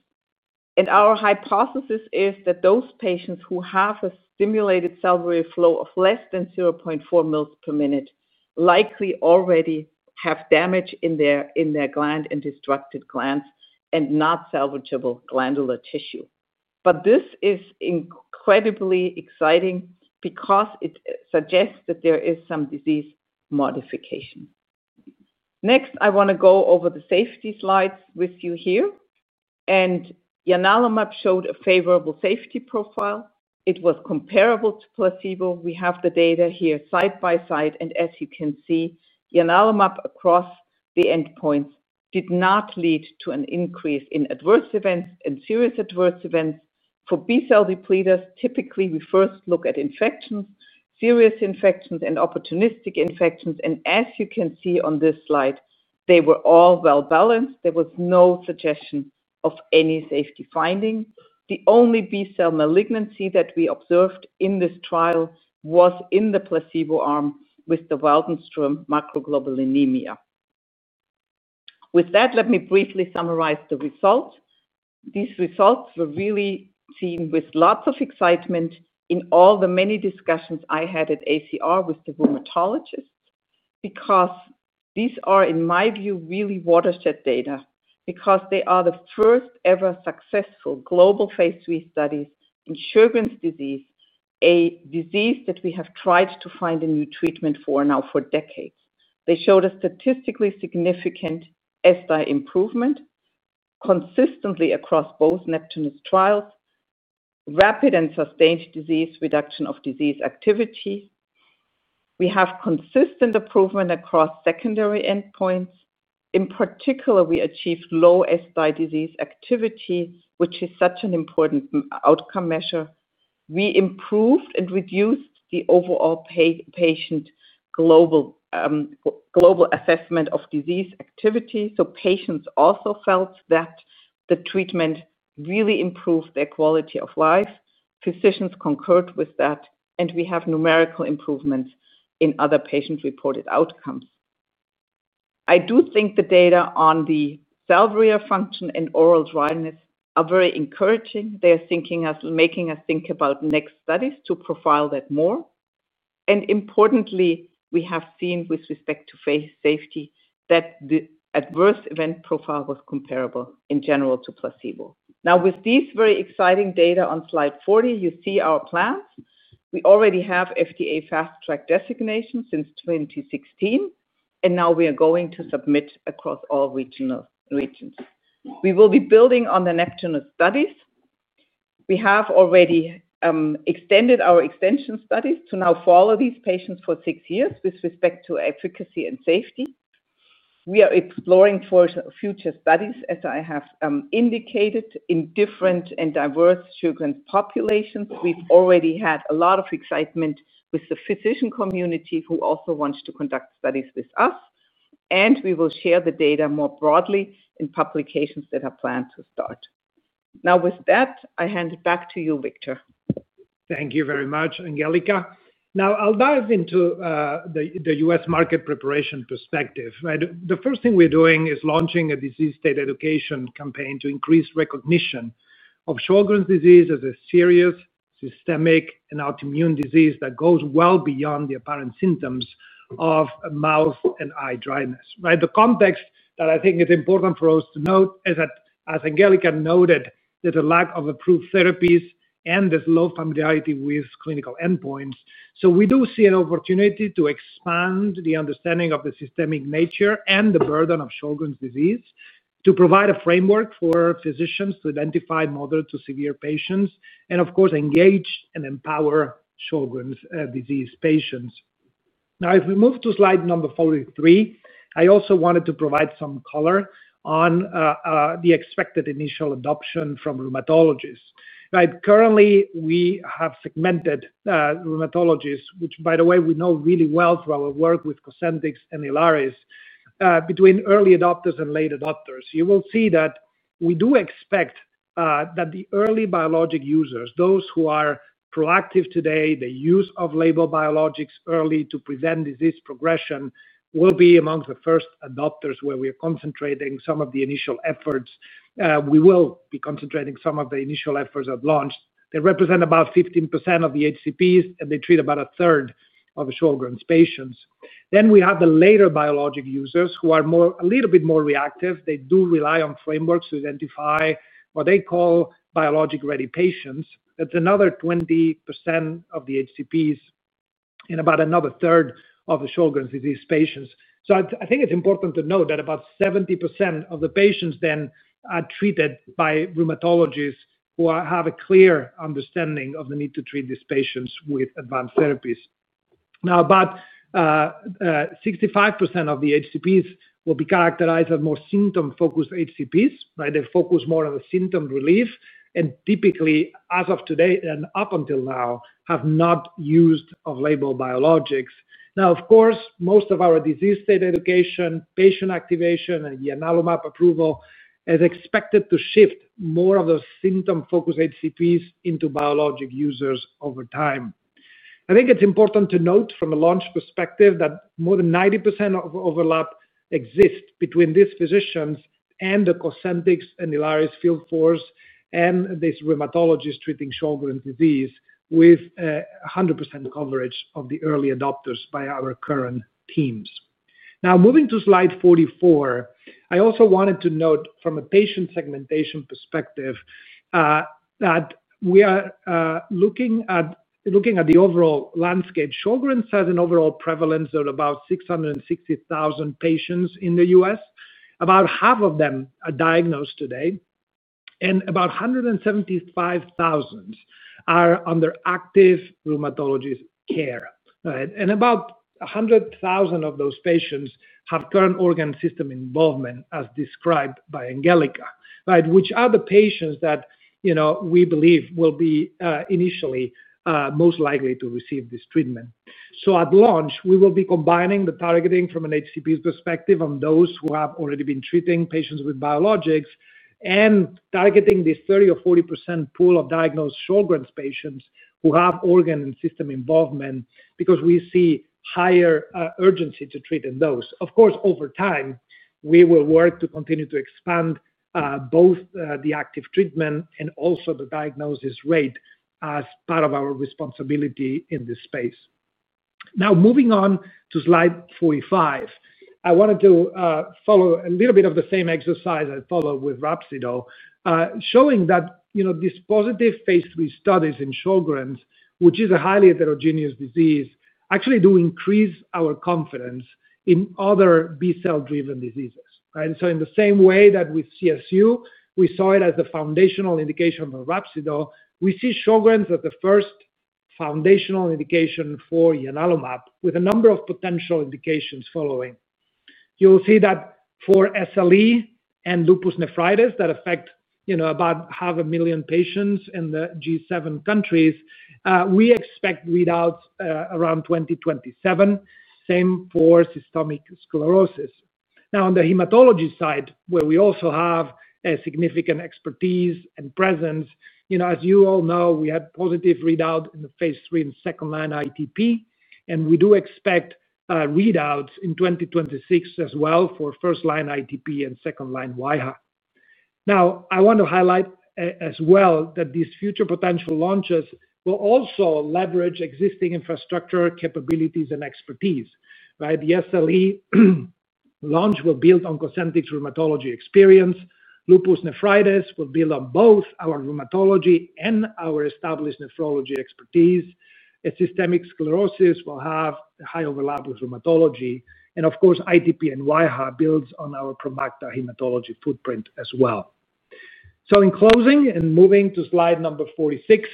Our hypothesis is that those patients who have a stimulated salivary flow of less than 0.4 mL per minute likely already have damage in their gland and destructive glands and not salvageable glandular tissue. This is incredibly exciting because it suggests that there is some disease modification. Next, I want to go over the safety slides with you here. Ianalumab showed a favorable safety profile. It was comparable to placebo. We have the data here side by side, and as you can see, ianalumab across the endpoints did not lead to an increase in adverse events and serious adverse events. For B-cell depleters, typically, we first look at infections, serious infections, and opportunistic infections. As you can see on this slide, they were all well-balanced. There was no suggestion of any safety finding. The only B-cell malignancy that we observed in this trial was in the placebo arm with the Waldenström macroglobulinemia. With that, let me briefly summarize the results. These results were really seen with lots of excitement in all the many discussions I had at ACR with the rheumatologists because these are, in my view, really watershed data because they are the first-ever successful global phase III studies in Sjögren's disease, a disease that we have tried to find a new treatment for now for decades. They showed a statistically significant ESSDAI improvement consistently across both NEPTUNUS trials. Rapid and sustained reduction of disease activity. We have consistent improvement across secondary endpoints. In particular, we achieved low ESSDAI disease activity, which is such an important outcome measure. We improved and reduced the overall patient global assessment of disease activity, so patients also felt that the treatment really improved their quality of life. Physicians concurred with that, and we have numerical improvements in other patient-reported outcomes. I do think the data on the salivary function and oral dryness are very encouraging. They are making us think about next studies to profile that more. Importantly, we have seen with respect to phase safety that the adverse event profile was comparable in general to placebo. Now, with these very exciting data on slide 40, you see our plans. We already have FDA fast-track designation since 2016, and now we are going to submit across all regions. We will be building on the NEPTUNUS studies. We have already extended our extension studies to now follow these patients for six years with respect to efficacy and safety. We are exploring for future studies, as I have indicated, in different and diverse Sjögren's populations. We’ve already had a lot of excitement with the physician community who also wants to conduct studies with us. We will share the data more broadly in publications that are planned to start. Now, with that, I hand it back to you, Victor. Thank you very much, Angelika. Now, I'll dive into the U.S. market preparation perspective. The first thing we're doing is launching a disease state education campaign to increase recognition of Sjögren's disease as a serious, systemic, and autoimmune disease that goes well beyond the apparent symptoms of mouth and eye dryness. The context that I think is important for us to note is that, as Angelika noted, there's a lack of approved therapies and there's low familiarity with clinical endpoints. We do see an opportunity to expand the understanding of the systemic nature and the burden of Sjögren's disease to provide a framework for physicians to identify moderate to severe patients and, of course, engage and empower Sjögren's disease patients. Now, if we move to slide number 43, I also wanted to provide some color on the expected initial adoption from rheumatologists. Currently, we have segmented rheumatologists, which, by the way, we know really well through our work with COSENTYX and ILARIS, between early adopters and late adopters. You will see that we do expect that the early biologic users, those who are proactive today, the use of label biologics early to prevent disease progression, will be among the first adopters where we are concentrating some of the initial efforts. We will be concentrating some of the initial efforts at launch. They represent about 15% of the HCPs, and they treat about a third of Sjögren's patients. We have the later biologic users who are a little bit more reactive. They do rely on frameworks to identify what they call biologic-ready patients. That's another 20% of the HCPs and about another third of the Sjögren's disease patients. I think it's important to note that about 70% of the patients then are treated by rheumatologists who have a clear understanding of the need to treat these patients with advanced therapies. About 65% of the HCPs will be characterized as more symptom-focused HCPs. They focus more on the symptom relief and typically, as of today and up until now, have not used label biologics. Most of our disease state education, patient activation, and ianalumab approval is expected to shift more of those symptom-focused HCPs into biologic users over time. I think it's important to note from a launch perspective that more than 90% of overlap exists between these physicians and the COSENTYX and ILARIS field force and these rheumatologists treating Sjögren's disease with 100% coverage of the early adopters by our current teams. Now, moving to slide 44, I also wanted to note from a patient segmentation perspective that we are looking at the overall landscape. Sjögren's has an overall prevalence of about 660,000 patients in the U.S. About half of them are diagnosed today, and about 175,000 are under active rheumatologist care. About 100,000 of those patients have current organ system involvement, as described by Angelika, which are the patients that we believe will be initially most likely to receive this treatment. At launch, we will be combining the targeting from an HCP perspective on those who have already been treating patients with biologics and targeting this 30% or 40% pool of diagnosed Sjögren's patients who have organ and system involvement because we see higher urgency to treat those. Over time, we will work to continue to expand both the active treatment and also the diagnosis rate as part of our responsibility in this space. Now, moving on to slide 45, I wanted to follow a little bit of the same exercise I followed with RHAPSIDO, showing that these positive phase III studies in Sjögren's, which is a highly heterogeneous disease, actually do increase our confidence in other B-cell-driven diseases. In the same way that with CSU, we saw it as the foundational indication for RHAPSIDO, we see Sjögren's as the first foundational indication for ianalumab with a number of potential indications following. You'll see that for SLE and lupus nephritis that affect about half a million patients in the G7 countries, we expect readouts around 2027, same for systemic sclerosis. On the hematology side, where we also have significant expertise and presence, as you all know, we had positive readout in the phase III and second-line ITP, and we do expect readouts in 2026 as well for first-line ITP and second-line wAIHA. I want to highlight as well that these future potential launches will also leverage existing infrastructure, capabilities, and expertise. The SLE launch will build on COSENTYX rheumatology experience. Lupus nephritis will build on both our rheumatology and our established nephrology expertise. Systemic sclerosis will have high overlap with rheumatology, and ITP and wAIHA builds on our provocative hematology footprint as well. In closing and moving to slide number 46,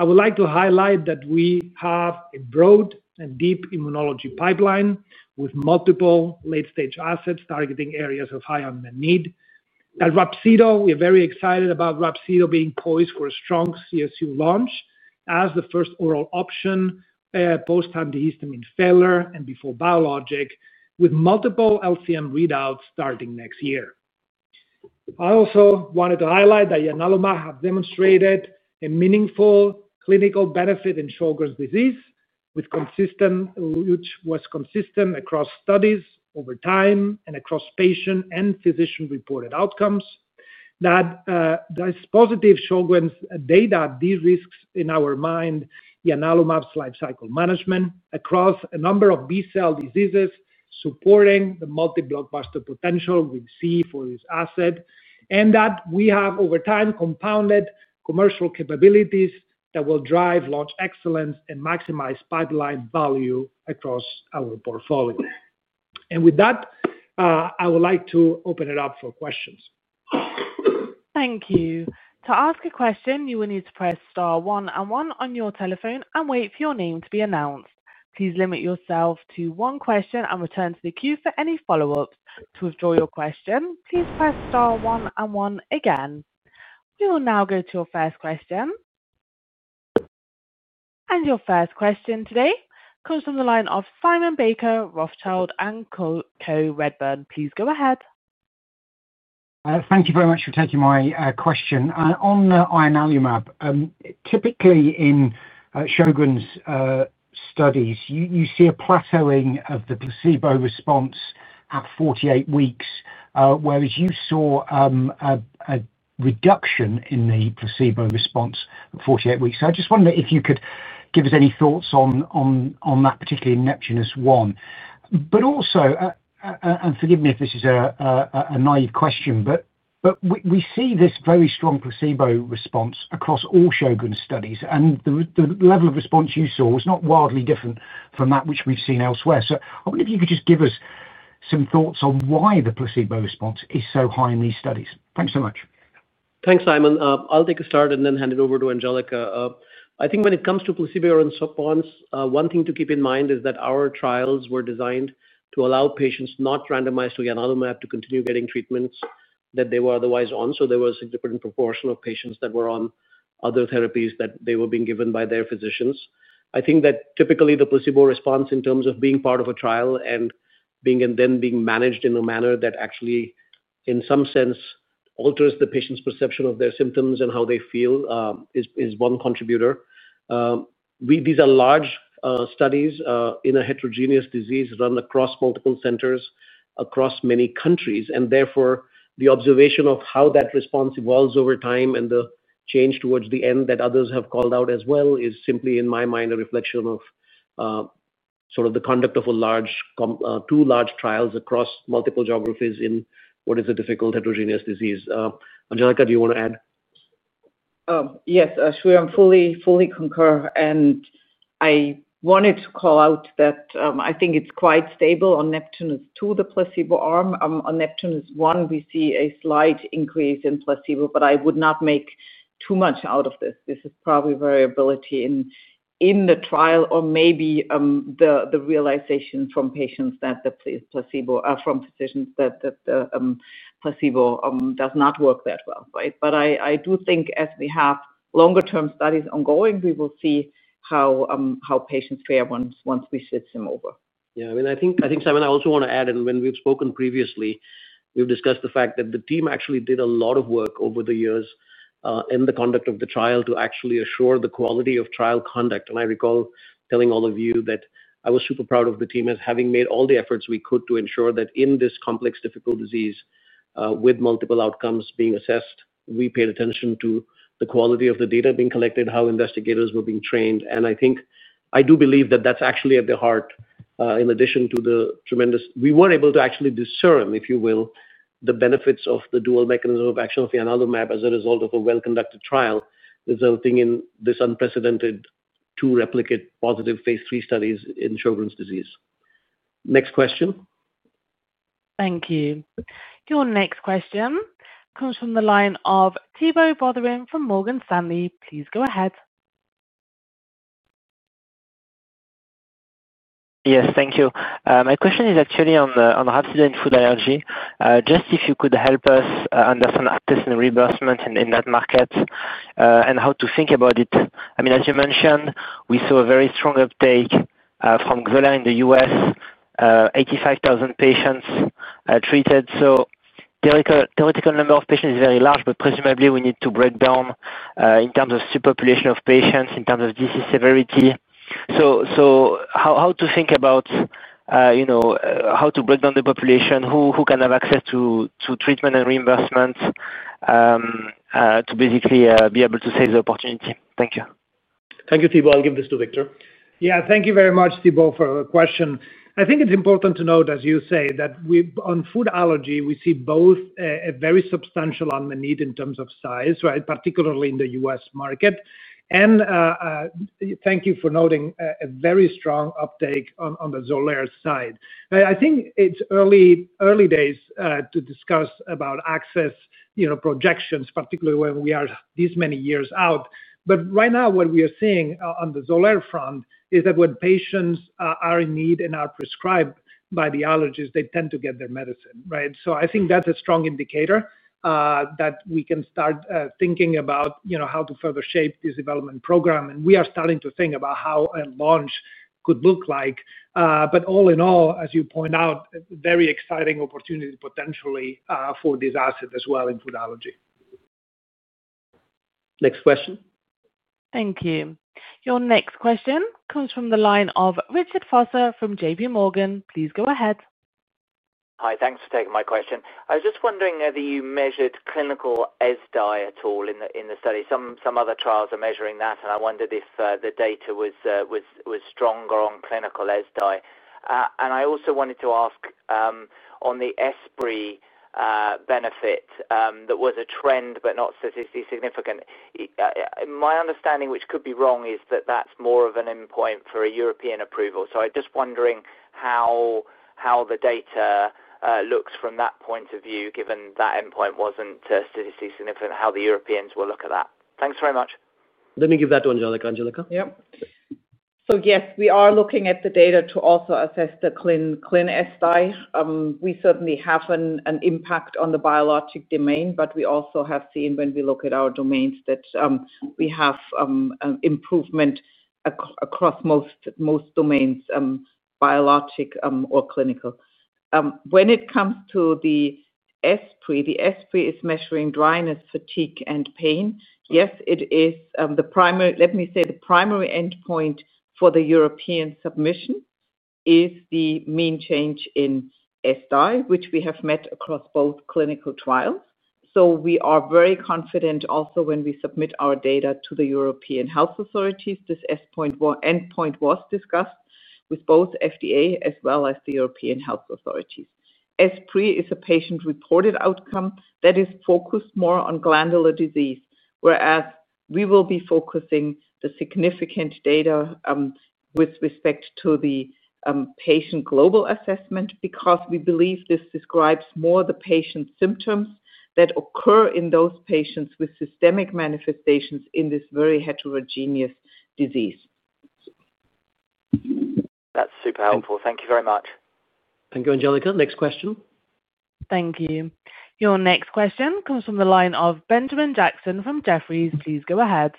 I would like to highlight that we have a broad and deep immunology pipeline with multiple late-stage assets targeting areas of high unmet need. We're very excited about RHAPSIDO being poised for a strong CSU launch as the first oral option post-antihistamine failure and before biologic, with multiple LCM readouts starting next year. I also wanted to highlight that ianalumab has demonstrated a meaningful clinical benefit in Sjögren's disease, which was consistent across studies over time and across patient and physician-reported outcomes. That positive Sjögren's data de-risks in our mind ianalumab's lifecycle management across a number of B cell diseases, supporting the multi-blockbuster potential we see for this asset, and that we have, over time, compounded commercial capabilities that will drive launch excellence and maximize pipeline value across our portfolio. With that, I would like to open it up for questions. Thank you. To ask a question, you will need to press star one and one on your telephone and wait for your name to be announced. Please limit yourself to one question and return to the queue for any follow-ups. To withdraw your question, please press star one and one again. We will now go to your first question. Your first question today comes from the line of Simon Baker, Rothschild & Co Redburn. Please go ahead. Thank you very much for taking my question. On the ianalumab, typically in Sjögren's studies, you see a plateauing of the placebo response at 48 weeks, whereas you saw a reduction in the placebo response at 48 weeks. I just wondered if you could give us any thoughts on that, particularly in NEPTUNUS-1, but also, and forgive me if this is a naïve question, we see this very strong placebo response across all Sjögren's studies, and the level of response you saw was not wildly different from that which we've seen elsewhere. I wonder if you could just give us some thoughts on why the placebo response is so high in these studies. Thanks so much. Thanks, Simon. I'll take a start and then hand it over to Angelika. I think when it comes to placebo and supplements, one thing to keep in mind is that our trials were designed to allow patients not randomized to ianalumab to continue getting treatments that they were otherwise on. There was a different proportion of patients that were on other therapies that they were being given by their physicians. I think that typically the placebo response in terms of being part of a trial and then being managed in a manner that actually, in some sense, alters the patient's perception of their symptoms and how they feel is one contributor. These are large studies in a heterogeneous disease run across multiple centers across many countries, and therefore, the observation of how that response evolves over time and the change towards the end that others have called out as well is simply, in my mind, a reflection of the conduct of two large trials across multiple geographies in what is a difficult heterogeneous disease. Angelika, do you want to add? Yes, sure. I fully concur. I wanted to call out that I think it's quite stable on NEPTUNUS-2, the placebo arm. On NEPTUNUS-1, we see a slight increase in placebo, but I would not make too much out of this. This is probably variability in the trial or maybe the realization from patients or from physicians that the placebo does not work that well. I do think as we have longer-term studies ongoing, we will see how patients fare once we switch them over. Yeah. I think, Simon, I also want to add, and when we've spoken previously, we've discussed the fact that the team actually did a lot of work over the years in the conduct of the trial to actually assure the quality of trial conduct. I recall telling all of you that I was super proud of the team as having made all the efforts we could to ensure that in this complex, difficult disease with multiple outcomes being assessed, we paid attention to the quality of the data being collected, how investigators were being trained. I do believe that that's actually at the heart, in addition to the tremendous, we were able to actually discern, if you will, the benefits of the dual mechanism of action of ianalumab as a result of a well-conducted trial resulting in this unprecedented two replicate positive phase III studies in Sjögren's disease. Next question. Thank you. Your next question comes from the line of Thibault Boutherin from Morgan Stanley. Please go ahead. Yes, thank you. My question is actually on the RHAPSIDO and food allergy. Just if you could help us understand testing reimbursement in that market and how to think about it. I mean, as you mentioned, we saw a very strong uptake from XOLAIR in the U.S. 85,000 patients treated. The theoretical number of patients is very large, but presumably we need to break down in terms of population of patients, in terms of disease severity. How to think about how to break down the population, who can have access to treatment and reimbursement, to basically be able to save the opportunity. Thank you. Thank you, Thibault. I'll give this to Victor. Thank you very much, Thibault, for the question. I think it's important to note, as you say, that on food allergy, we see both a very substantial unmet need in terms of size, particularly in the U.S. market. Thank you for noting a very strong uptake on the XOLAIR side. I think it's early days to discuss about access projections, particularly when we are this many years out. Right now, what we are seeing on the XOLAIR front is that when patients are in need and are prescribed by the allergist, they tend to get their medicine. I think that's a strong indicator that we can start thinking about how to further shape this development program. We are starting to think about how a launch could look like. All in all, as you point out, very exciting opportunity potentially for this asset as well in food allergy. Next question. Thank you. Your next question comes from the line of Richard Vosser from JPMorgan. Please go ahead. Hi, thanks for taking my question. I was just wondering whether you measured clinical ESSDAI at all in the study. Some other trials are measuring that, and I wondered if the data was stronger on clinical ESSDAI. I also wanted to ask on the ESPRI benefit that was a trend but not statistically significant. My understanding, which could be wrong, is that that's more of an endpoint for a European approval. I'm just wondering how the data looks from that point of view, given that endpoint wasn't statistically significant, how the Europeans will look at that. Thanks very much. Let me give that to Angelika. Angelika? Yes, we are looking at the data to also assess the clin ESSDAI. We certainly have an impact on the biologic domain, but we also have seen when we look at our domains that we have improvement across most domains, biologic or clinical. When it comes to the ESPRI, the ESPRI is measuring dryness, fatigue, and pain. Yes, it is. Let me say the primary endpoint for the European submission is the mean change in ESSDAI, which we have met across both clinical trials. We are very confident also when we submit our data to the European health authorities. This endpoint was discussed with both FDA as well as the European health authorities. ESPRI is a patient-reported outcome that is focused more on glandular disease, whereas we will be focusing the significant data with respect to the patient global assessment because we believe this describes more the patient symptoms that occur in those patients with systemic manifestations in this very heterogeneous disease. That's super helpful. Thank you very much. Thank you, Angelika. Next question. Thank you. Your next question comes from the line of Benjamin Jackson from Jefferies. Please go ahead.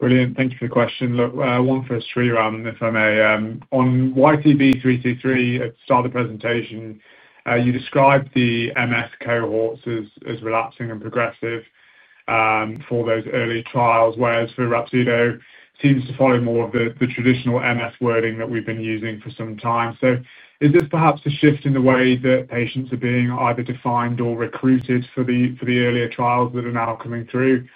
Brilliant. Thank you for the question. Look, one for Shreeram, if I may. On YTB323 at the start of the presentation, you described the MS cohorts as relapsing and progressive for those early trials, whereas for RHAPSIDO, it seems to follow more of the traditional MS wording that we've been using for some time. Is this perhaps a shift in the way that patients are being either defined or recruited for the earlier trials that are now coming through,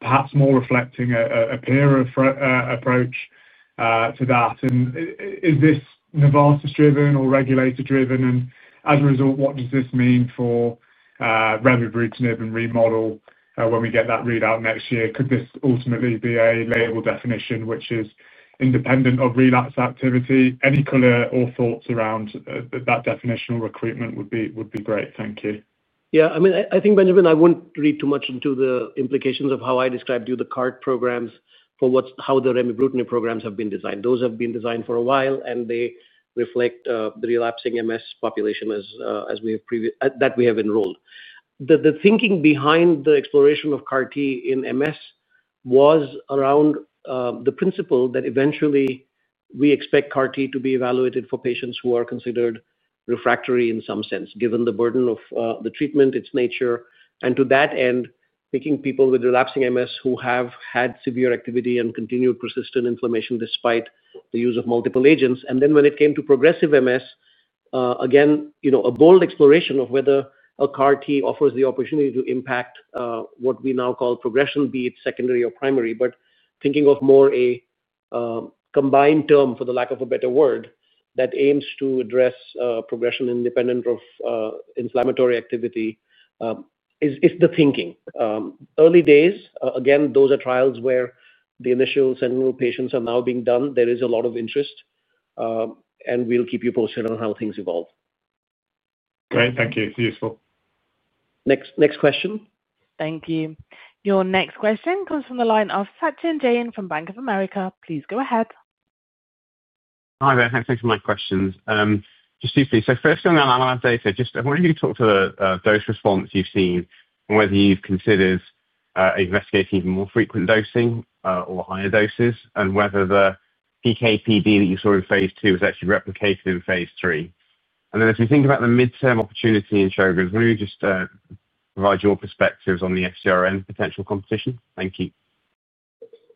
perhaps more reflecting a peer approach to that? Is this Novartis-driven or regulator-driven? As a result, what does this mean for remibrutinib and remodel when we get that readout next year? Could this ultimately be a label definition which is independent of relapse activity? Any color or thoughts around that definitional recruitment would be great. Thank you. Yeah. I think, Benjamin, I won't read too much into the implications of how I described to you the CAR-T programs for how the remibrutinib programs have been designed. Those have been designed for a while, and they reflect the relapsing MS population that we have enrolled. The thinking behind the exploration of CAR-T in MS was around the principle that eventually we expect CAR-T to be evaluated for patients who are considered refractory in some sense, given the burden of the treatment, its nature. To that end, picking people with relapsing MS who have had severe activity and continued persistent inflammation despite the use of multiple agents. When it came to progressive MS, again, a bold exploration of whether a CAR-T offers the opportunity to impact what we now call progression, be it secondary or primary, but thinking of more a combined term, for the lack of a better word, that aims to address progression independent of inflammatory activity is the thinking. Early days, again, those are trials where the initial sentinel patients are now being done. There is a lot of interest. We'll keep you posted on how things evolve. Great. Thank you. It's useful. Next question. Thank you. Your next question comes from the line of Sachin Jain from Bank of America. Please go ahead. Hi, there. Thanks for my questions. Just briefly. First, on the ILARIS data, I wanted you to talk to those responses you've seen and whether you've considered investigating even more frequent dosing or higher doses and whether the PK/PD that you saw in phase II was actually replicated in phase III. As we think about the midterm opportunity in Sjögren's, can you just provide your perspectives on the FcRn potential competition? Thank you.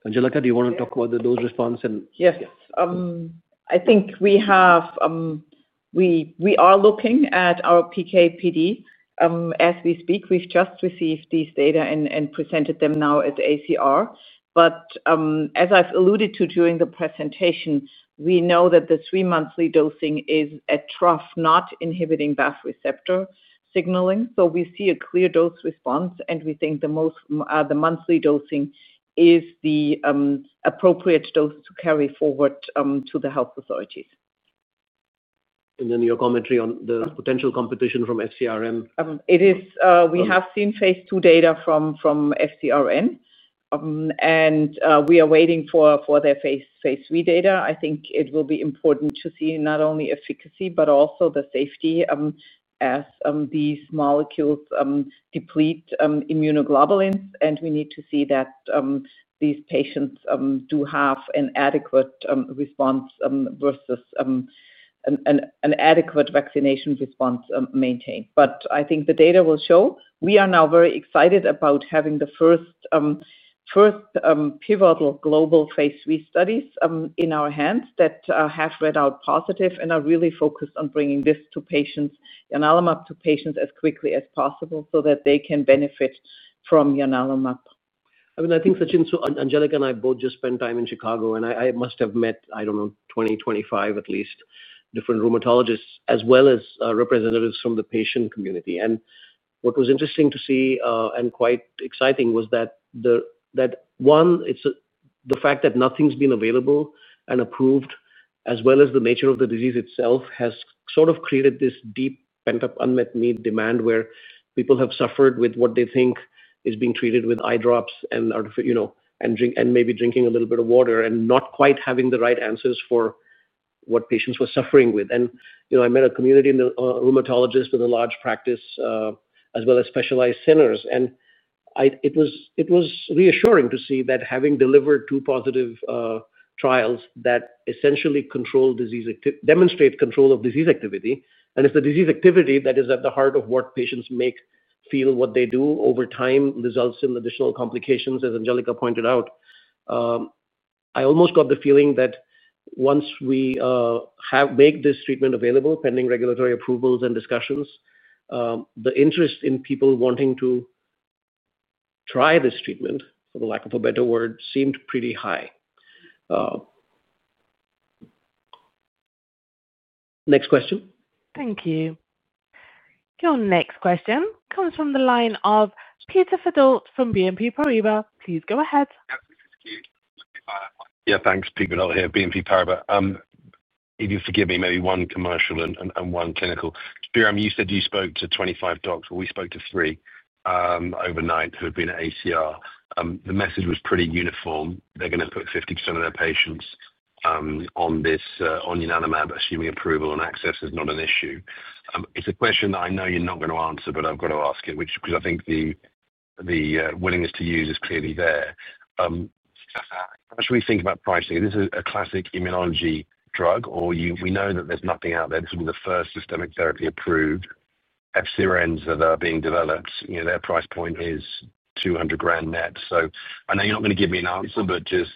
Angelika, do you want to talk about those responses? Yes. I think we are looking at our PK/PD. As we speak, we've just received these data and presented them now at ACR. As I've alluded to during the presentation, we know that the three-monthly dosing is a trough, not inhibiting BAFF receptor signaling. We see a clear dose response, and we think the monthly dosing is the appropriate dose to carry forward to the health authorities. Your commentary on the potential competition from FcRn? We have seen phase II data from FcRn, and we are waiting for their phase III data. I think it will be important to see not only efficacy but also the safety, as these molecules deplete immunoglobulins, and we need to see that these patients do have an adequate response versus an adequate vaccination response maintained. I think the data will show. We are now very excited about having the first pivotal global phase III studies in our hands that have read out positive and are really focused on bringing this to patients, ianalumab, to patients as quickly as possible so that they can benefit from ianalumab. I mean, I think, Sachin, Angelika and I both just spent time in Chicago, and I must have met, I don't know, 20, 25 at least, different rheumatologists as well as representatives from the patient community. What was interesting to see and quite exciting was that, one, the fact that nothing's been available and approved, as well as the nature of the disease itself, has sort of created this deep pent-up, unmet need demand where people have suffered with what they think is being treated with eye drops and maybe drinking a little bit of water and not quite having the right answers for what patients were suffering with. I met a community rheumatologist with a large practice as well as specialized centers. It was reassuring to see that having delivered two positive trials that essentially demonstrate control of disease activity, and it's the disease activity that is at the heart of what patients feel, what they do over time results in additional complications, as Angelika pointed out. I almost got the feeling that once we make this treatment available, pending regulatory approvals and discussions, the interest in people wanting to try this treatment, for the lack of a better word, seemed pretty high. Next question. Thank you. Your next question comes from the line of Peter Verdult from BNP Paribas. Please go ahead. Yeah, thanks, Peter Verdult here, BNP Paribas. If you forgive me, maybe one commercial and one clinical. Shreeram, you said you spoke to 25 docs, but we spoke to three overnight who have been at ACR. The message was pretty uniform. They're going to put 50% of their patients on ianalumab, assuming approval and access is not an issue. It's a question that I know you're not going to answer, but I've got to ask it, which is because I think the willingness to use is clearly there. How should we think about pricing? This is a classic immunology drug, or we know that there's nothing out there. This will be the first systemic therapy approved. FcRns that are being developed, their price point is $200,000 net. I know you're not going to give me an answer, but just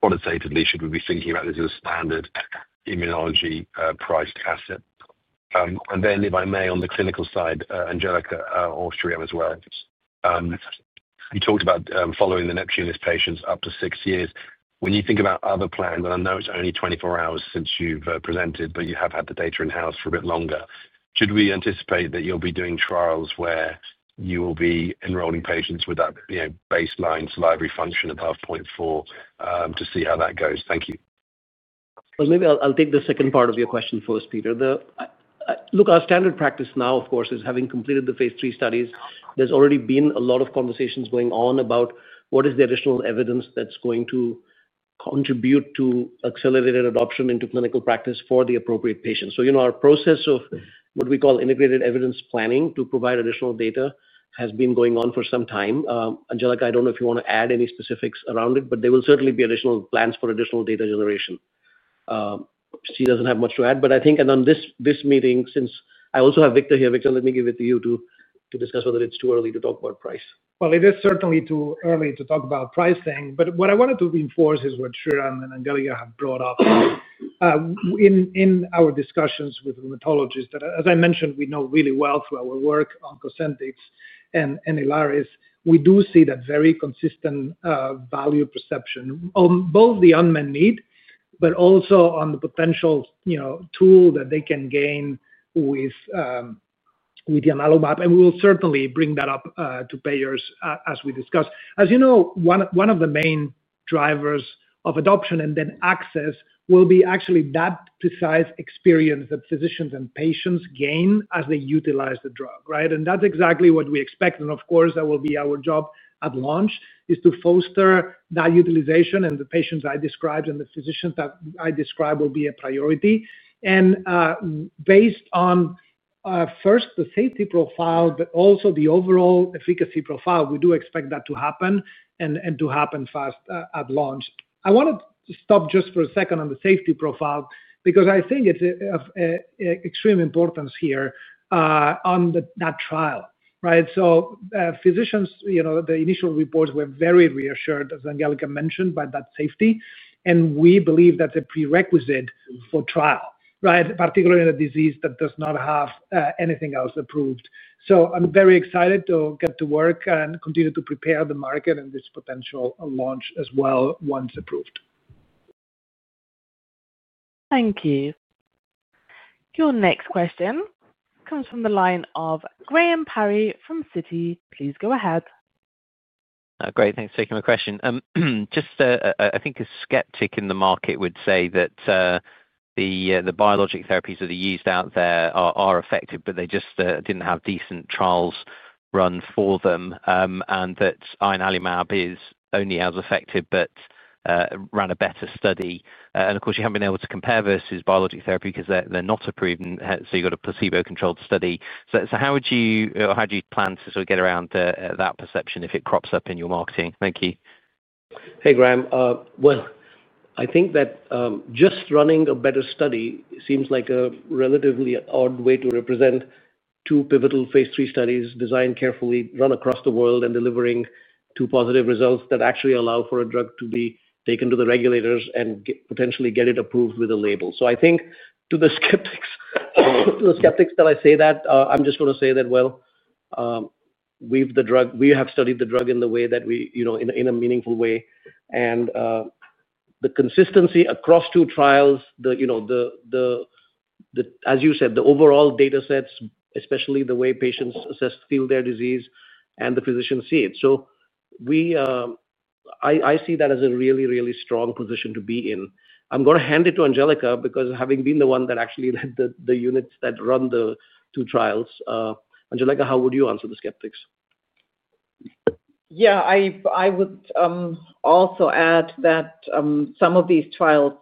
qualitatively, should we be thinking about this as a standard immunology priced asset? If I may, on the clinical side, Angelika or Shreeram as well. You talked about following the NEPTUNUS patients up to six years. When you think about other plans, and I know it's only 24 hours since you've presented, but you have had the data in-house for a bit longer, should we anticipate that you'll be doing trials where you will be enrolling patients with that baseline salivary function above 0.4 to see how that goes? Thank you. I'll take the second part of your question first, Peter. Our standard practice now, of course, is having completed the phase III studies. There's already been a lot of conversations going on about what is the additional evidence that's going to contribute to accelerated adoption into clinical practice for the appropriate patients. Our process of what we call integrated evidence planning to provide additional data has been going on for some time. Angelika, I don't know if you want to add any specifics around it, but there will certainly be additional plans for additional data generation. She doesn't have much to add. I think, and on this meeting, since I also have Victor here, Victor, let me give it to you to discuss whether it's too early to talk about price. It is certainly too early to talk about pricing. What I wanted to reinforce is what Shreeram and Angelika have brought up. In our discussions with rheumatologists, as I mentioned, we know really well through our work on COSENTYX and ILARIS, we do see that very consistent value perception on both the unmet need, but also on the potential tool that they can gain with ianalumab. We will certainly bring that up to payers as we discuss. As you know, one of the main drivers of adoption and then access will be actually that precise experience that physicians and patients gain as they utilize the drug, right? That's exactly what we expect. Of course, that will be our job at launch, to foster that utilization. The patients I described and the physicians that I described will be a priority. Based on first, the safety profile, but also the overall efficacy profile, we do expect that to happen and to happen fast at launch. I want to stop just for a second on the safety profile because I think it's of extreme importance here. On that trial, right? Physicians, the initial reports were very reassured, as Angelika mentioned, by that safety. We believe that's a prerequisite for trial, particularly in a disease that does not have anything else approved. I'm very excited to get to work and continue to prepare the market and this potential launch as well once approved. Thank you. Your next question comes from the line of Graham Parry from Citi. Please go ahead. Great. Thanks for taking my question. I think a skeptic in the market would say that the biologic therapies that are used out there are effective, but they just didn't have decent trials run for them, and that ianalumab is only as effective but ran a better study. Of course, you haven't been able to compare versus biologic therapy because they're not approved, so you've got a placebo-controlled study. How would you plan to sort of get around that perception if it crops up in your marketing? Thank you. Hey, Graham. I think that just running a better study seems like a relatively odd way to represent. Two pivotal phase III studies designed carefully, run across the world, and delivering two positive results that actually allow for a drug to be taken to the regulators and potentially get it approved with a label. I think to the skeptics, I say that, I'm just going to say that we have studied the drug in a meaningful way. The consistency across two trials, as you said, the overall data sets, especially the way patients assess, feel their disease, and the physicians see it. I see that as a really, really strong position to be in. I'm going to hand it to Angelika because having been the one that actually led the units that run the two trials, Angelika, how would you answer the skeptics? Yeah, I would also add that some of these trials,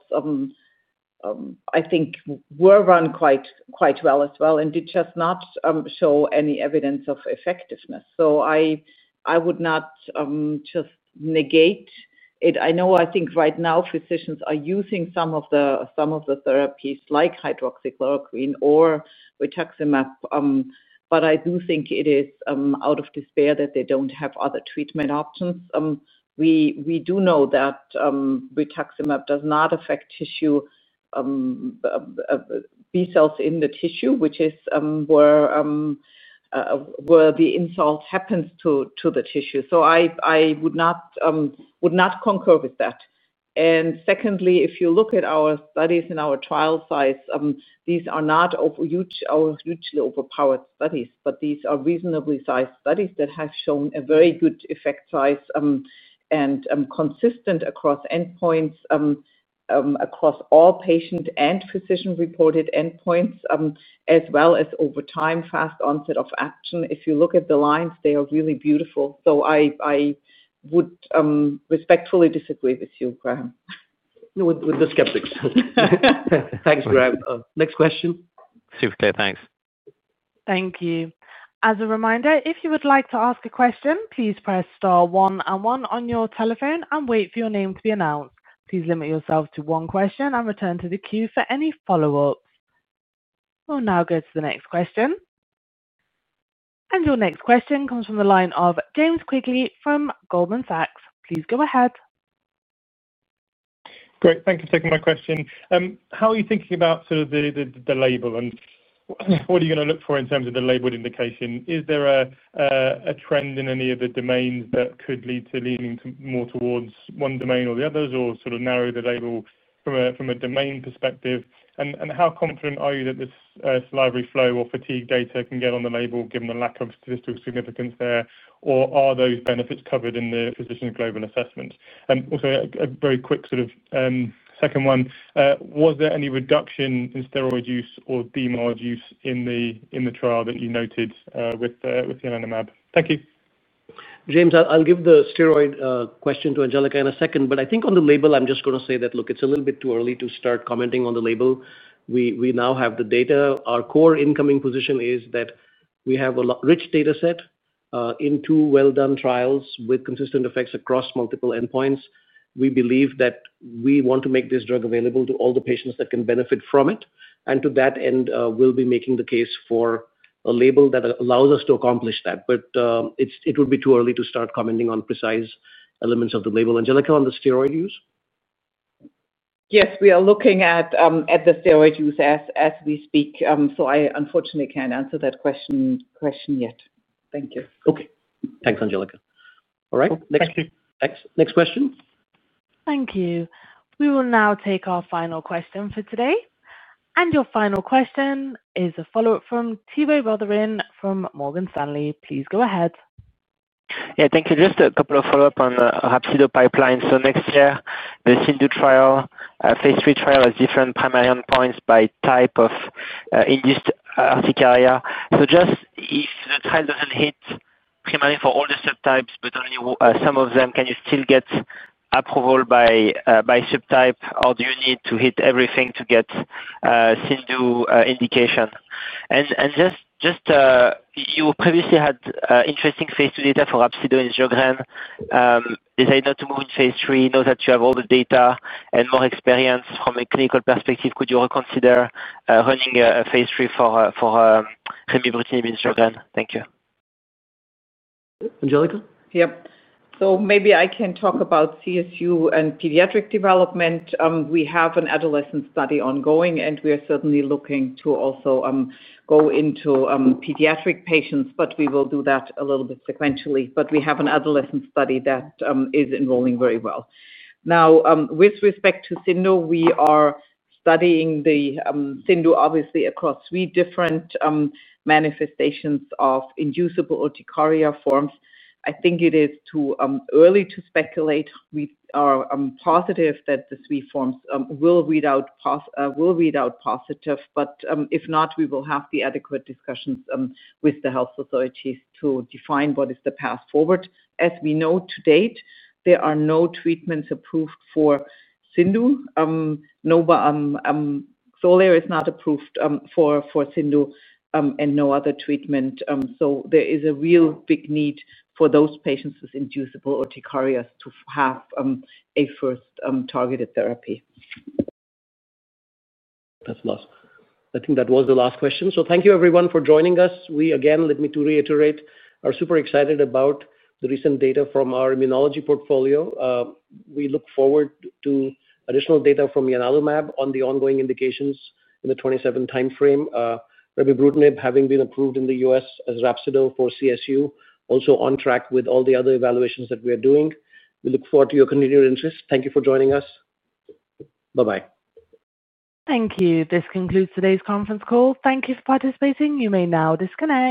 I think, were run quite well as well and did just not show any evidence of effectiveness. I would not just negate it. I know, I think right now, physicians are using some of the therapies like hydroxychloroquine or rituximab, but I do think it is out of despair that they don't have other treatment options. We do know that rituximab does not affect B cells in the tissue, which is where the insult happens to the tissue. I would not concur with that. Secondly, if you look at our studies and our trial size, these are not hugely overpowered studies, but these are reasonably sized studies that have shown a very good effect size and consistent across endpoints, across all patient and physician-reported endpoints, as well as over time, fast onset of action. If you look at the lines, they are really beautiful. I would respectfully disagree with you, Graham. With the skeptics. Thanks, Graham. Next question. Super. Thanks. Thank you. As a reminder, if you would like to ask a question, please press star one and one on your telephone and wait for your name to be announced. Please limit yourself to one question and return to the queue for any follow-ups. We'll now go to the next question. Your next question comes from the line of James Quigley from Goldman Sachs. Please go ahead. Great. Thank you for taking my question. How are you thinking about sort of the label? What are you going to look for in terms of the label indication? Is there a trend in any of the domains that could lead to leaning more towards one domain or the others or sort of narrow the label from a domain perspective? How confident are you that this salivary flow or fatigue data can get on the label, given the lack of statistical significance there? Are those benefits covered in the physician's global assessment? Also, a very quick sort of second one. Was there any reduction in steroid use or DMARD use in the trial that you noted with ianalumab? Thank you. James, I'll give the steroid question to Angelika in a second. I think on the label, I'm just going to say that, look, it's a little bit too early to start commenting on the label. We now have the data. Our core incoming position is that we have a rich data set. In two well-done trials with consistent effects across multiple endpoints, we believe that we want to make this drug available to all the patients that can benefit from it. To that end, we'll be making the case for a label that allows us to accomplish that. It would be too early to start commenting on precise elements of the label. Angelika, on the steroid use? Yes, we are looking at the steroid use as we speak. I, unfortunately, can't answer that question yet. Thank you. Okay. Thanks, Angelika. All right. Next question. Thank you. We will now take our final question for today. Your final question is a follow-up from Thibault Boutherin from Morgan Stanley. Please go ahead. Yeah, thank you. Just a couple of follow-up on RHAPSIDO pipelines. Next year, the CIndU trial, a phase III trial, has different primary endpoints by type of induced urticaria. If the trial doesn't hit primary for all the subtypes, but only some of them, can you still get approval by subtype? Or do you need to hit everything to get CIndU indication? You previously had interesting phase II data for RHAPSIDO on Sjögren's. Decided not to move in phase III. Now that you have all the data and more experience from a clinical perspective, could you reconsider running a phase III for remibrutinib and Sjögren's? Thank you. Angelika? Yes. Maybe I can talk about CSU and pediatric development. We have an adolescent study ongoing, and we are certainly looking to also go into pediatric patients, but we will do that a little bit sequentially. We have an adolescent study that is enrolling very well. Now, with respect to CIndU, we are studying the CIndU, obviously, across three different manifestations of inducible urticaria forms. I think it is too early to speculate. We are positive that the three forms will read out positive. If not, we will have the adequate discussions with the health authorities to define what is the path forward. As we know to date, there are no treatments approved for CIndU. XOLAIR is not approved for CIndU, and no other treatment. There is a real big need for those patients with inducible urticarias to have a first targeted therapy. That's a lot. I think that was the last question. Thank you, everyone, for joining us. We, again, let me reiterate, are super excited about the recent data from our immunology portfolio. We look forward to additional data from ianalumab on the ongoing indications in the 2027 timeframe. Remibrutinib, having been approved in the U.S. as RHAPSIDO for CSU, is also on track with all the other evaluations that we are doing. We look forward to your continued interest. Thank you for joining us. Bye-bye. Thank you. This concludes today's conference call. Thank you for participating. You may now disconnect.